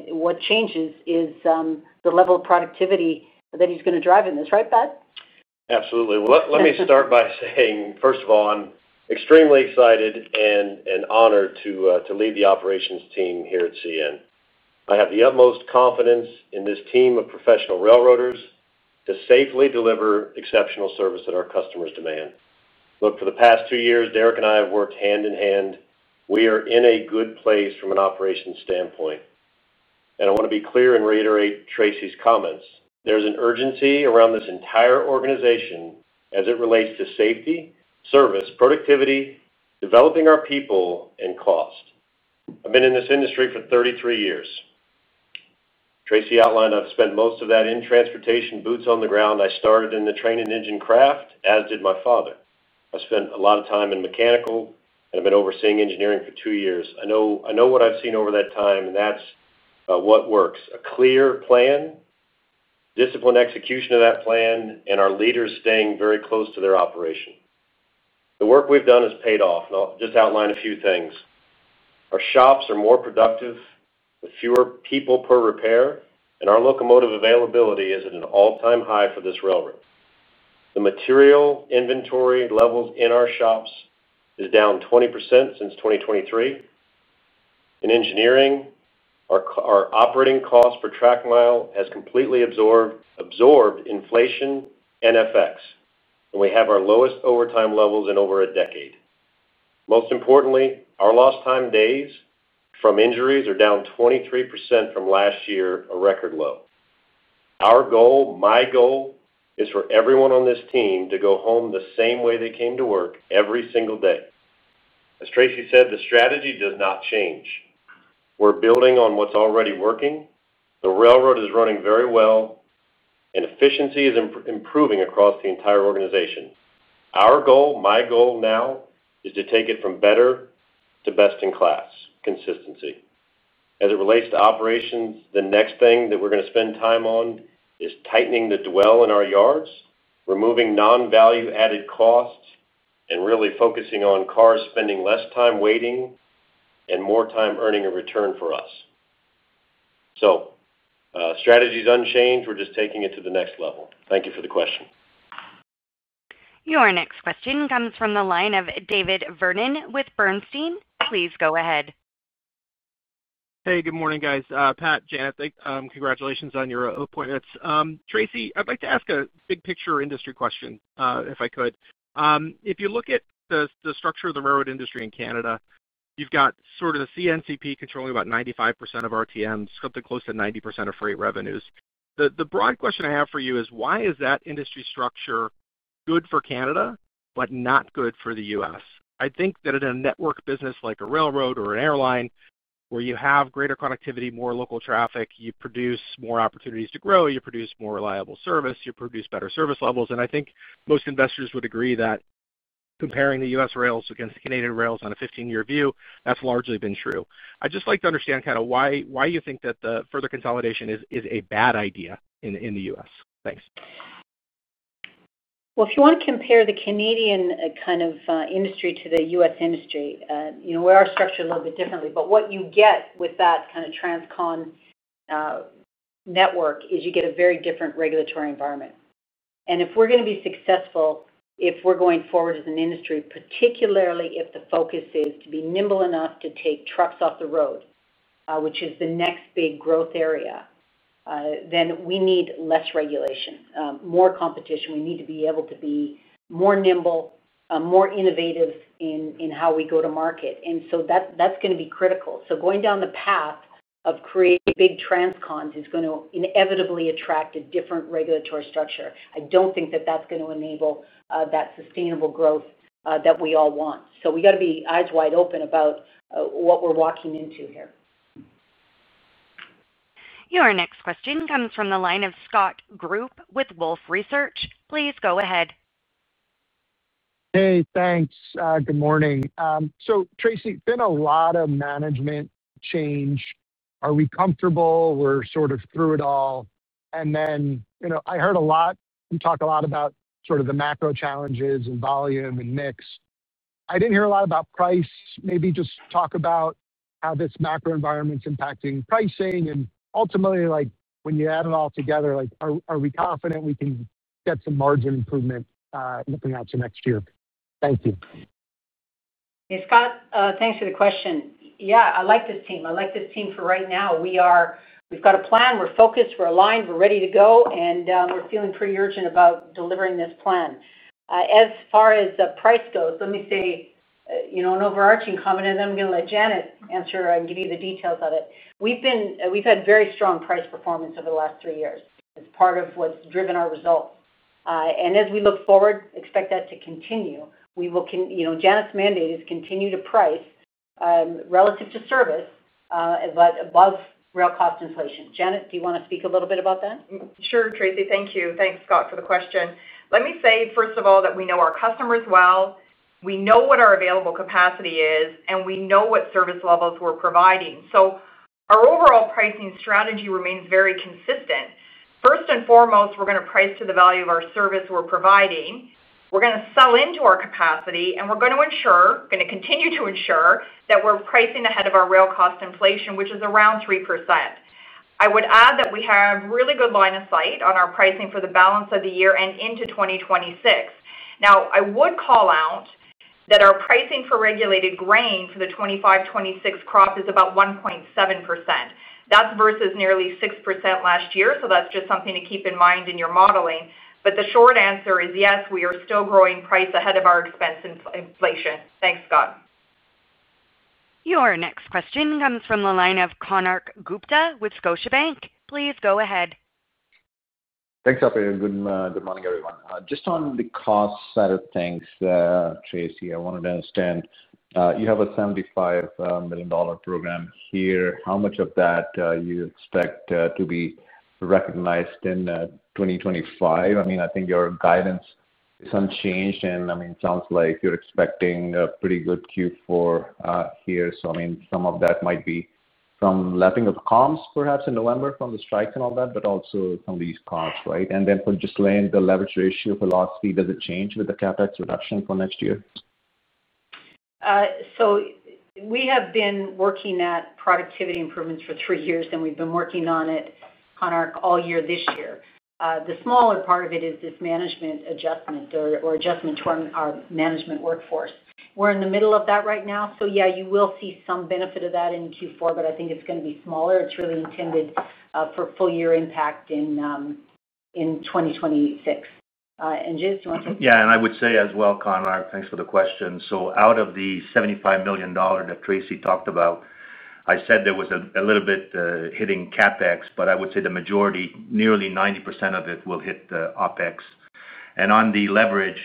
What changes is the level of productivity that he's going to drive in this. Right, Pat? Absolutely. Let me start by saying, first of all, I'm extremely excited and honored to lead the operations team here at CN. I have the utmost confidence in this team of professional railroaders to safely deliver exceptional service that our customers demand. For the past two years, Derek and I have worked hand in hand. We are in a good place from an operations standpoint. I want to be clear and reiterate Tracy's comments. There's an urgency around this entire organization as it relates to safety, service, productivity, developing our people, and cost. I've been in this industry for 33 years. Tracy outlined I've spent most of that in transportation, boots on the ground. I started in the train and engine craft, as did my father. I spent a lot of time in mechanical, and I've been overseeing engineering for two years. I know what I've seen over that time, and that's what works: a clear plan, disciplined execution of that plan, and our leaders staying very close to their operation. The work we've done has paid off. I'll just outline a few things. Our shops are more productive with fewer people per repair, and our locomotive availability is at an all-time high for this railroad. The material inventory levels in our shops are down 20% since 2023. In engineering, our operating costs per track mile have completely absorbed inflation and FX, and we have our lowest overtime levels in over a decade. Most importantly, our lost time days from injuries are down 23% from last year, a record low. Our goal, my goal, is for everyone on this team to go home the same way they came to work every single day. As Tracy said, the strategy does not change. We're building on what's already working. The railroad is running very well, and efficiency is improving across the entire organization. Our goal, my goal now, is to take it from better to best in class consistency. As it relates to operations, the next thing that we're going to spend time on is tightening the dwell in our yards, removing non-value-added costs, and really focusing on cars spending less time waiting and more time earning a return for us. Strategy is unchanged. We're just taking it to the next level. Thank you for the question. Your next question comes from the line of David Vernon with Sanford C. Bernstein & Co. Please go ahead. Hey, good morning, guys. Pat, Janet, congratulations on your appointments. Tracy, I'd like to ask a big picture industry question, if I could. If you look at the structure of the railroad industry in Canada, you've got sort of the CNCP controlling about 95% of RTMs, something close to 90% of freight revenues. The broad question I have for you is, why is that industry structure good for Canada but not good for the U.S.? I think that in a network business like a railroad or an airline, where you have greater connectivity, more local traffic, you produce more opportunities to grow, you produce more reliable service, you produce better service levels. I think most investors would agree with that. Comparing the U.S. rails against Canadian rails on a 15-year view, that's largely been true. I'd just like to understand kind of why you think that the further consolidation is a bad idea in the U.S. Thanks. If you want to compare the Canadian kind of industry to the U.S. industry, we are structured a little bit differently. What you get with that kind of transcon network is you get a very different regulatory environment. If we're going to be successful, if we're going forward as an industry, particularly if the focus is to be nimble enough to take trucks off the road, which is the next big growth area, we need less regulation, more competition. We need to be able to be more nimble, more innovative in how we go to market, and that's going to be critical. Going down the path of creating big transcons is going to inevitably attract a different regulatory structure. I don't think that that's going to enable that sustainable growth that we all want. We got to be eyes wide open about what we're walking into here. Your next question comes from the line of Scott Group with Wolfe Research. Please go ahead. Thank you. Good morning. Tracy, there has been a lot of management change. Are we comfortable we're sort of through it all? I heard you talk a lot about the macro challenges and volume and mix. I didn't hear a lot about price. Maybe just talk about how this macro environment's impacting pricing. Ultimately, when you add it all together, are we confident we can get some margin improvement looking out to next year? Thank you. Hey, Scott, thanks for the question. Yeah, I like this team. I like this team for right now. We've got a plan. We're focused. We're aligned. We're ready to go. We're feeling pretty urgent about delivering this plan. As far as price goes, let me say, an overarching comment, and then I'm going to let Janet answer and give you the details of it. We've had very strong price performance over the last three years as part of what's driven our results. As we look forward, expect that to continue. Janet's mandate is to continue to price relative to service, but above rail cost inflation. Janet, do you want to speak a little bit about that? Sure, Tracy. Thank you. Thanks, Scott, for the question. Let me say, first of all, that we know our customers well. We know what our available capacity is, and we know what service levels we're providing. Our overall pricing strategy remains very consistent. First and foremost, we're going to price to the value of our service we're providing. We're going to sell into our capacity, and we're going to continue to ensure that we're pricing ahead of our rail cost inflation, which is around three percent. I would add that we have really good line of sight on our pricing for the balance of the year and into 2026. I would call out that our pricing for regulated grain for the 2025-2026 crop is about 1.7%. That's versus nearly six percent last year. That's just something to keep in mind in your modeling. The short answer is yes, we are still growing price ahead of our expense inflation. Thanks, Scott. Your next question comes from the line of Konark Gupta with Scotiabank. Please go ahead. Thanks, Operator. Good morning, everyone. Just on the cost side of things, Tracy, I wanted to understand. You have a $75 million program here. How much of that do you expect to be recognized in 2025? I mean, I think your guidance is unchanged. It sounds like you're expecting a pretty good Q4 here. Some of that might be from lapping of comms, perhaps in November, from the strikes and all that, but also some of these costs, right? For just laying the leverage ratio velocity, does it change with the CapEx reduction for next year? We have been working at productivity improvements for three years, and we've been working on it all year this year. The smaller part of it is this management adjustment or adjustment to our management workforce. We're in the middle of that right now. You will see some benefit of that in Q4, but I think it's going to be smaller. It's really intended for full-year impact in 2026. Ghislain, do you want to take? Yeah. I would say as well, Konark, thanks for the question. Out of the $75 million that Tracy talked about, I said there was a little bit hitting CapEx, but I would say the majority, nearly 90% of it, will hit the OpEx. On the leverage,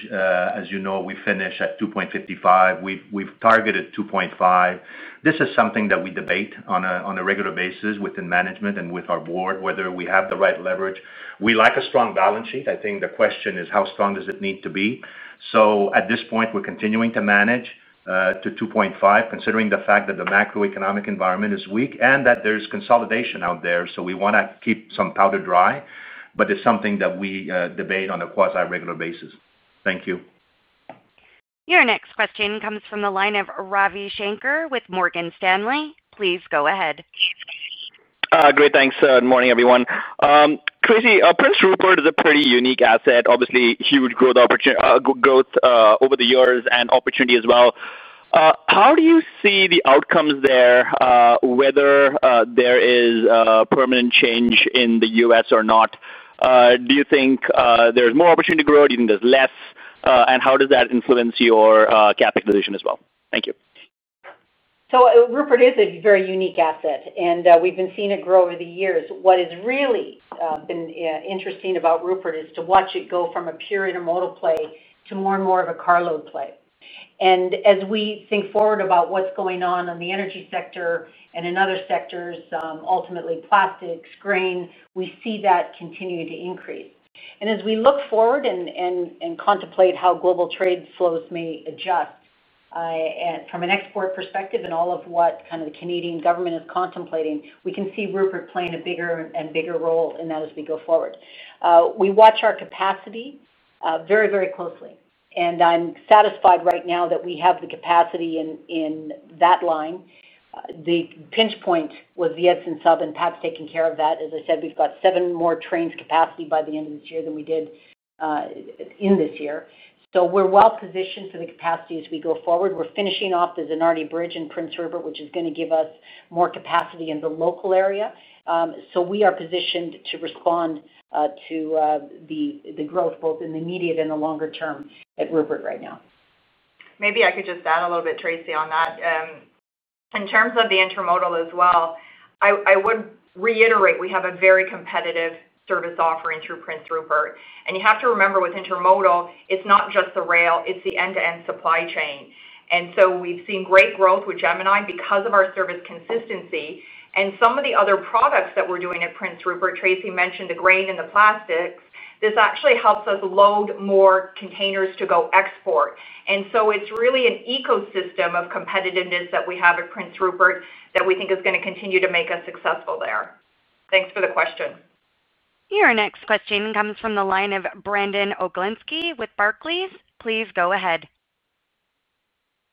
as you know, we finish at 2.55. We've targeted 2.5. This is something that we debate on a regular basis within management and with our board, whether we have the right leverage. We like a strong balance sheet. I think the question is, how strong does it need to be? At this point, we're continuing to manage to 2.5, considering the fact that the macroeconomic environment is weak and that there's consolidation out there. We want to keep some powder dry, but it's something that we debate on a quasi-regular basis. Thank you. Your next question comes from the line of Ravi Shanker with Morgan Stanley. Please go ahead. Great. Thanks. Good morning, everyone. Tracy, Prince Rupert is a pretty unique asset. Obviously, huge growth over the years and opportunity as well. How do you see the outcomes there, whether there is permanent change in the U.S. or not? Do you think there's more opportunity to grow? Do you think there's less? How does that influence your capital position as well? Thank you. Rupert is a very unique asset, and we've been seeing it grow over the years. What has really been interesting about Rupert is to watch it go from a pure intermodal play to more and more of a carload play. As we think forward about what's going on in the energy sector and in other sectors, ultimately plastics, grain, we see that continue to increase. As we look forward and contemplate how global trade flows may adjust from an export perspective and all of what kind of the Canadian government is contemplating, we can see Rupert playing a bigger and bigger role in that as we go forward. We watch our capacity very, very closely, and I'm satisfied right now that we have the capacity in that line. The pinch point was the Edson sub, and Pat's taking care of that. We've got seven more trains capacity by the end of this year than we did in this year, so we're well positioned for the capacity as we go forward. We're finishing off the Zanardi Bridge in Prince Rupert, which is going to give us more capacity in the local area. We are positioned to respond to the growth both in the immediate and the longer term at Rupert right now. Maybe I could just add a little bit, Tracy, on that. In terms of the intermodal as well, I would reiterate we have a very competitive service offering through Prince Rupert. You have to remember with intermodal, it's not just the rail; it's the end-to-end supply chain. We've seen great growth with Gemini because of our service consistency. Some of the other products that we're doing at Prince Rupert, Tracy mentioned the grain and the plastics, this actually helps us load more containers to go export. It's really an ecosystem of competitiveness that we have at Prince Rupert that we think is going to continue to make us successful there. Thanks for the question. Your next question comes from the line of Brandon Oglenski with Barclays. Please go ahead.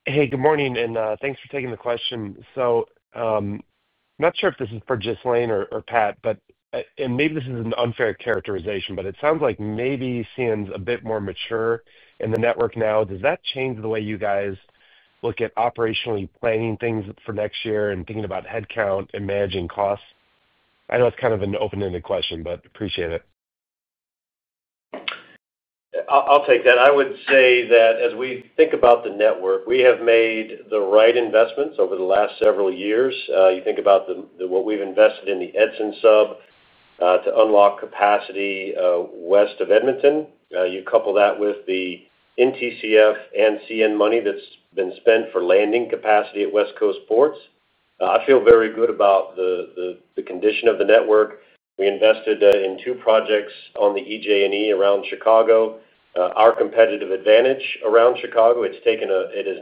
Hey, good morning, and thanks for taking the question. I'm not sure if this is for Ghislain or Pat, and maybe this is an unfair characterization, but it sounds like maybe CN's a bit more mature in the network now. Does that change the way you guys look at operationally planning things for next year and thinking about headcount and managing costs? I know it's kind of an open-ended question, but appreciate it. I'll take that. I would say that as we think about the network, we have made the right investments over the last several years. You think about what we've invested in the Edson sub to unlock capacity west of Edmonton. You couple that with the NTCF and CN money that's been spent for landing capacity at West Coast Ports. I feel very good about the condition of the network. We invested in two projects on the EJ&E around Chicago. Our competitive advantage around Chicago is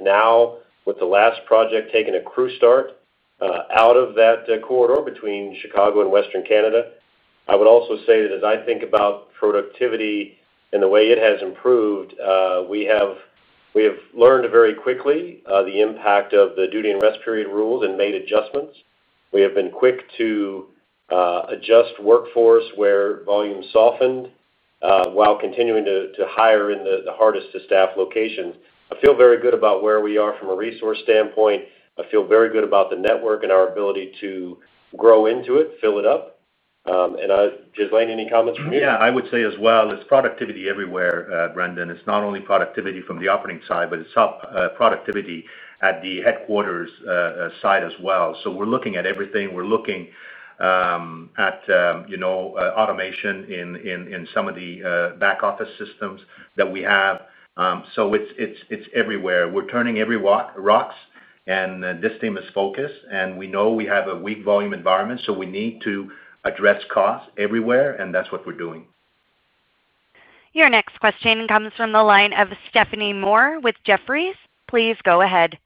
now with the last project taking a crew start out of that corridor between Chicago and Western Canada. I would also say that as I think about productivity and the way it has improved, we have learned very quickly the impact of the duty and rest period rules and made adjustments. We have been quick to adjust workforce where volume softened while continuing to hire in the hardest-to-staff locations. I feel very good about where we are from a resource standpoint. I feel very good about the network and our ability to grow into it, fill it up. Ghislain, any comments from you? Yeah, I would say as well, it's productivity everywhere, Brandon. It's not only productivity from the operating side, but it's productivity at the headquarters side as well. We're looking at everything. We're looking at automation in some of the back-office systems that we have. It's everywhere. We're turning every rock, and this team is focused. We know we have a weak volume environment, so we need to address costs everywhere, and that's what we're doing. Your next question comes from the line of Stephanie Moore with Jefferies. Please go ahead.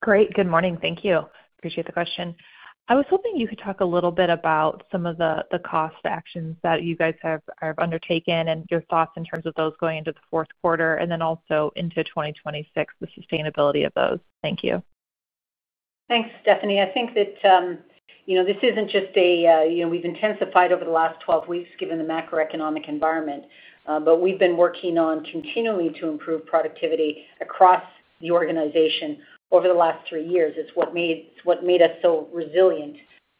Great. Good morning. Thank you. Appreciate the question. I was hoping you could talk a little bit about some of the cost actions that you guys have undertaken and your thoughts in terms of those going into the fourth quarter and then also into 2026, the sustainability of those. Thank you. Thanks, Stephanie. This isn't just a we've intensified over the last 12 weeks given the macroeconomic environment, but we've been working on continually to improve productivity across the organization over the last three years. It's what made us so resilient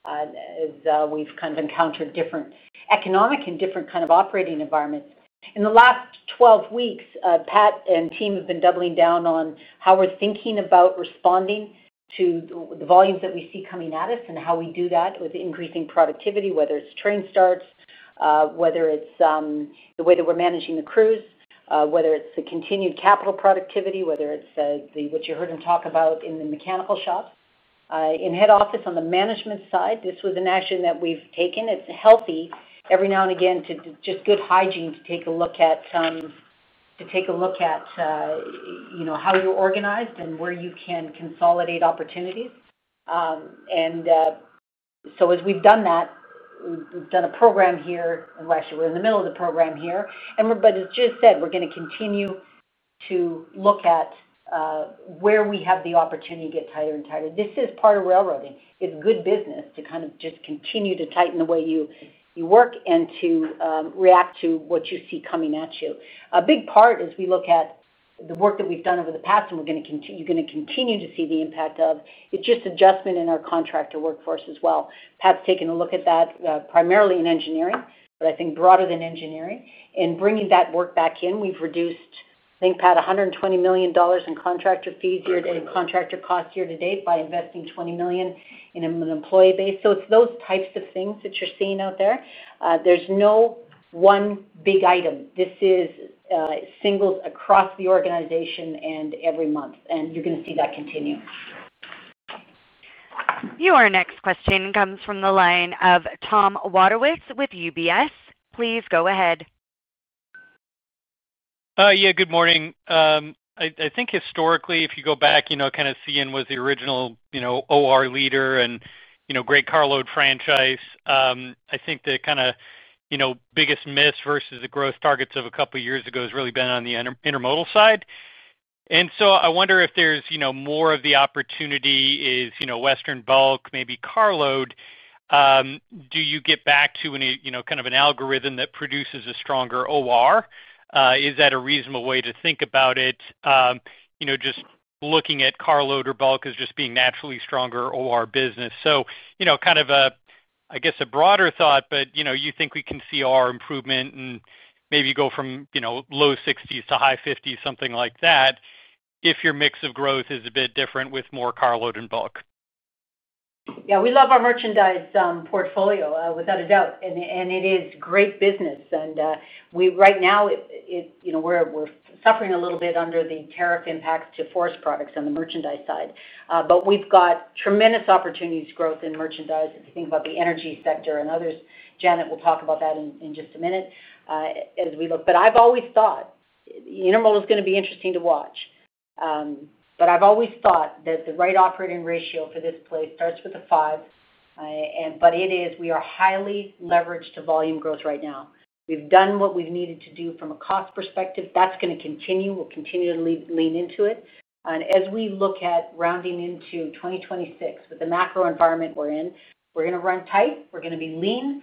as we've kind of encountered different economic and different kind of operating environments. In the last 12 weeks, Pat and team have been doubling down on how we're thinking about responding to the volumes that we see coming at us and how we do that with increasing productivity, whether it's train starts, whether it's the way that we're managing the crews, whether it's the continued capital productivity, whether it's what you heard him talk about in the mechanical shops. In head office on the management side, this was an action that we've taken. It's healthy every now and again to just good hygiene to take a look at how you're organized and where you can consolidate opportunities. As we've done that, we've done a program here. Actually, we're in the middle of the program here. As Jay said, we're going to continue to look at where we have the opportunity to get tighter and tighter. This is part of railroading. It's good business to kind of just continue to tighten the way you work and to react to what you see coming at you. A big part is we look at the work that we've done over the past and you're going to continue to see the impact of. It's just adjustment in our contractor workforce as well. Pat's taken a look at that primarily in engineering, but I think broader than engineering. Bringing that work back in, we've reduced, I think, Pat, $120 million in contractor fees year to contractor cost year to date by investing $20 million in an employee base. It's those types of things that you're seeing out there. There's no one big item. This is singles across the organization and every month. You're going to see that continue. Your next question comes from the line of Tom Wadewitz with UBS. Please go ahead. Yeah, good morning. I think historically, if you go back, CN was the original OR leader and great carload franchise. I think the biggest miss versus the growth targets of a couple of years ago has really been on the intermodal side. I wonder if there's more of the opportunity in Western Bulk, maybe Carload. Do you get back to an algorithm that produces a stronger OR? Is that a reasonable way to think about it? Just looking at Carload or Bulk as being naturally stronger OR business. I guess a broader thought, but do you think we can see OR improvement and maybe go from low 60s to high 50s, something like that, if your mix of growth is a bit different with more Carload and Bulk. Yeah, we love our merchandise portfolio, without a doubt. It is great business. Right now, we're suffering a little bit under the tariff impacts to forest products on the merchandise side, but we've got tremendous opportunities for growth in merchandise. If you think about the energy sector and others, Janet will talk about that in just a minute as we look. I've always thought intermodal is going to be interesting to watch. I've always thought that the right operating ratio for this place starts with a five. We are highly leveraged to volume growth right now. We've done what we've needed to do from a cost perspective. That's going to continue. We'll continue to lean into it. As we look at rounding into 2026, with the macro environment we're in, we're going to run tight. We're going to be lean,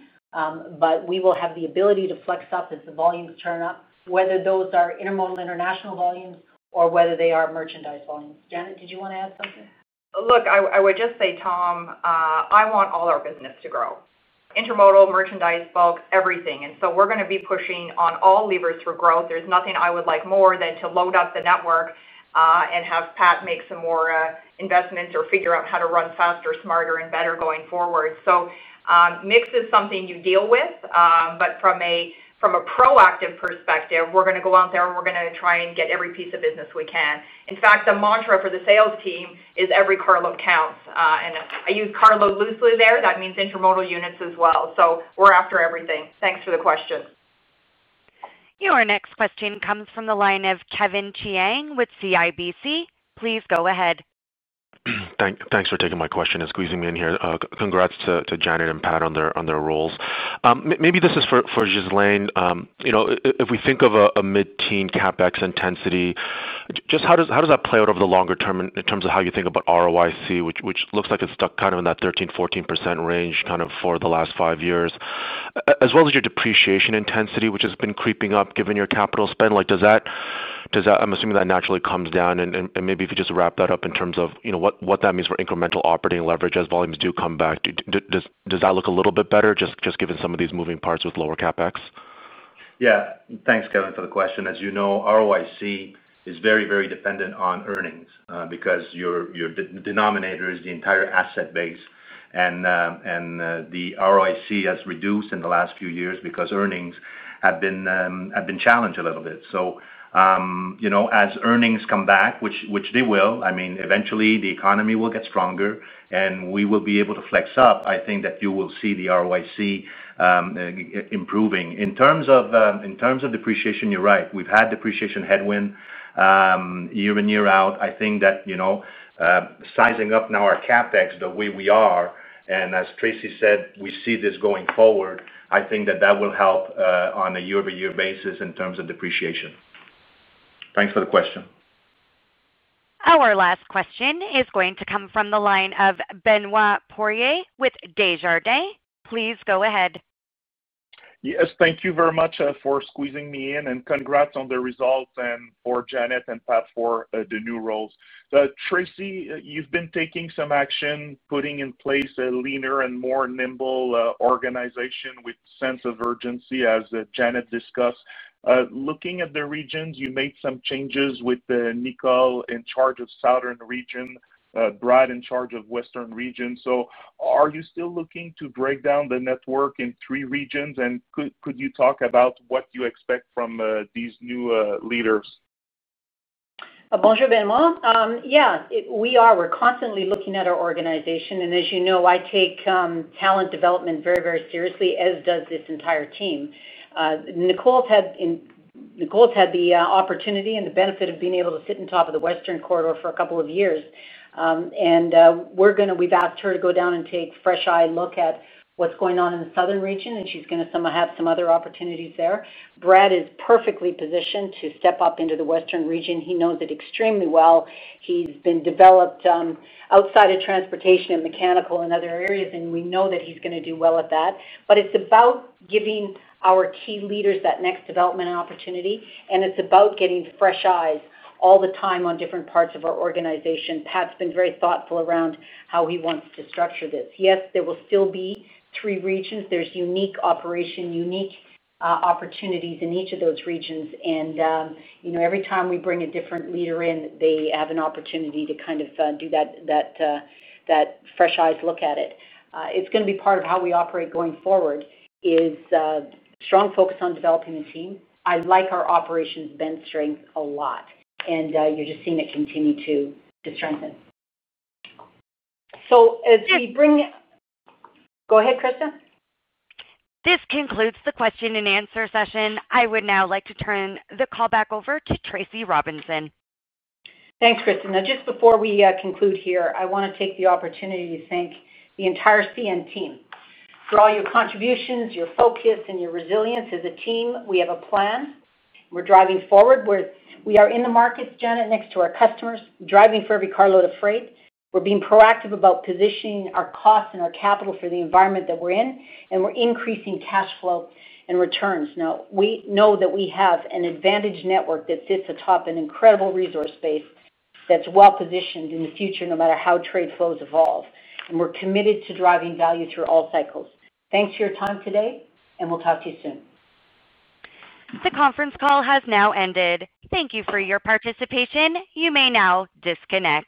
but we will have the ability to flex up as the volumes turn up, whether those are intermodal international volumes or whether they are merchandise volumes. Janet, did you want to add something? Look, I would just say, Tom, I want all our business to grow. Intermodal, merchandise, bulk, everything. We are going to be pushing on all levers for growth. There is nothing I would like more than to load up the network and have Pat make some more investments or figure out how to run faster, smarter, and better going forward. Mix is something you deal with, but from a proactive perspective, we are going to go out there and we are going to try and get every piece of business we can. In fact, the mantra for the sales team is every carload counts. I use carload loosely there. That means intermodal units as well. We are after everything. Thanks for the question. Your next question comes from the line of Kevin Chiang with CIBC. Please go ahead. Thanks for taking my question and squeezing me in here. Congrats to Janet and Pat on their roles. Maybe this is for Ghislain. If we think of a mid-teen CapEx intensity, just how does that play out over the longer term in terms of how you think about ROIC, which looks like it's stuck kind of in that 13, 14% range for the last five years, as well as your depreciation intensity, which has been creeping up given your capital spend? I'm assuming that naturally comes down. Maybe if you just wrap that up in terms of what that means for incremental operating leverage as volumes do come back, does that look a little bit better just given some of these moving parts with lower CapEx? Yeah. Thanks, Kevin, for the question. As you know, ROIC is very, very dependent on earnings because your denominator is the entire asset base. The ROIC has reduced in the last few years because earnings have been challenged a little bit. As earnings come back, which they will, I mean, eventually the economy will get stronger and we will be able to flex up. I think that you will see the ROIC. In terms of depreciation, you're right. We've had depreciation headwind year in, year out. I think that, you know, sizing up now our CapEx the way we are, and as Tracy said, we see this going forward. I think that will help on a year-over-year basis in terms of depreciation. Thanks for the question. Our last question is going to come from the line of Benoit Poirier with Desjardins. Please go ahead. Yes, thank you very much for squeezing me in, and congrats on the results, and for Janet and Pat for the new roles. Tracy, you've been taking some action, putting in place a leaner and more nimble organization with a sense of urgency, as Janet discussed. Looking at the regions, you made some changes with Nicole in charge of Southern Region, Brad in charge of Western Region. Are you still looking to break down the network in three regions? Could you talk about what you expect from these new leaders? (Non- English content), Benoit. Yes, we are. We're constantly looking at our organization. As you know, I take talent development very, very seriously, as does this entire team. Nicole's had the opportunity and the benefit of being able to sit on top of the western corridor for a couple of years, and we're going to—we've asked her to go down and take a fresh eye look at what's going on in the southern region, and she's going to have some other opportunities there. Brad is perfectly positioned to step up into the western region. He knows it extremely well. He's been developed outside of transportation and mechanical and other areas, and we know that he's going to do well at that. It is about giving our key leaders that next development opportunity, and it's about getting fresh eyes all the time on different parts of our organization. Pat's been very thoughtful around how he wants to structure this. Yes, there will still be three regions. There are unique operations, unique opportunities in each of those regions. Every time we bring a different leader in, they have an opportunity to kind of do that fresh eyes look at it. It's going to be part of how we operate going forward, a strong focus on developing the team. I like our operations bench strength a lot, and you're just seeing it continue to strengthen as we bring. Yeah. Go ahead, Prisca. This concludes the question and answer session. I would now like to turn the call back over to Tracy Robinson. Thanks, Prisca. Just before we conclude here, I want to take the opportunity to thank the entire CN team for all your contributions, your focus, and your resilience. As a team, we have a plan. We're driving forward. We are in the markets, Janet, next to our customers, driving for [Ricardo DeFraitte]. We're being proactive about positioning our costs and our capital for the environment that we're in, and we're increasing cash flow and returns. We know that we have an advantage network that sits atop an incredible resource base that's well-positioned in the future no matter how trade flows evolve. We're committed to driving value through all cycles. Thanks for your time today, and we'll talk to you soon. The conference call has now ended. Thank you for your participation. You may now disconnect.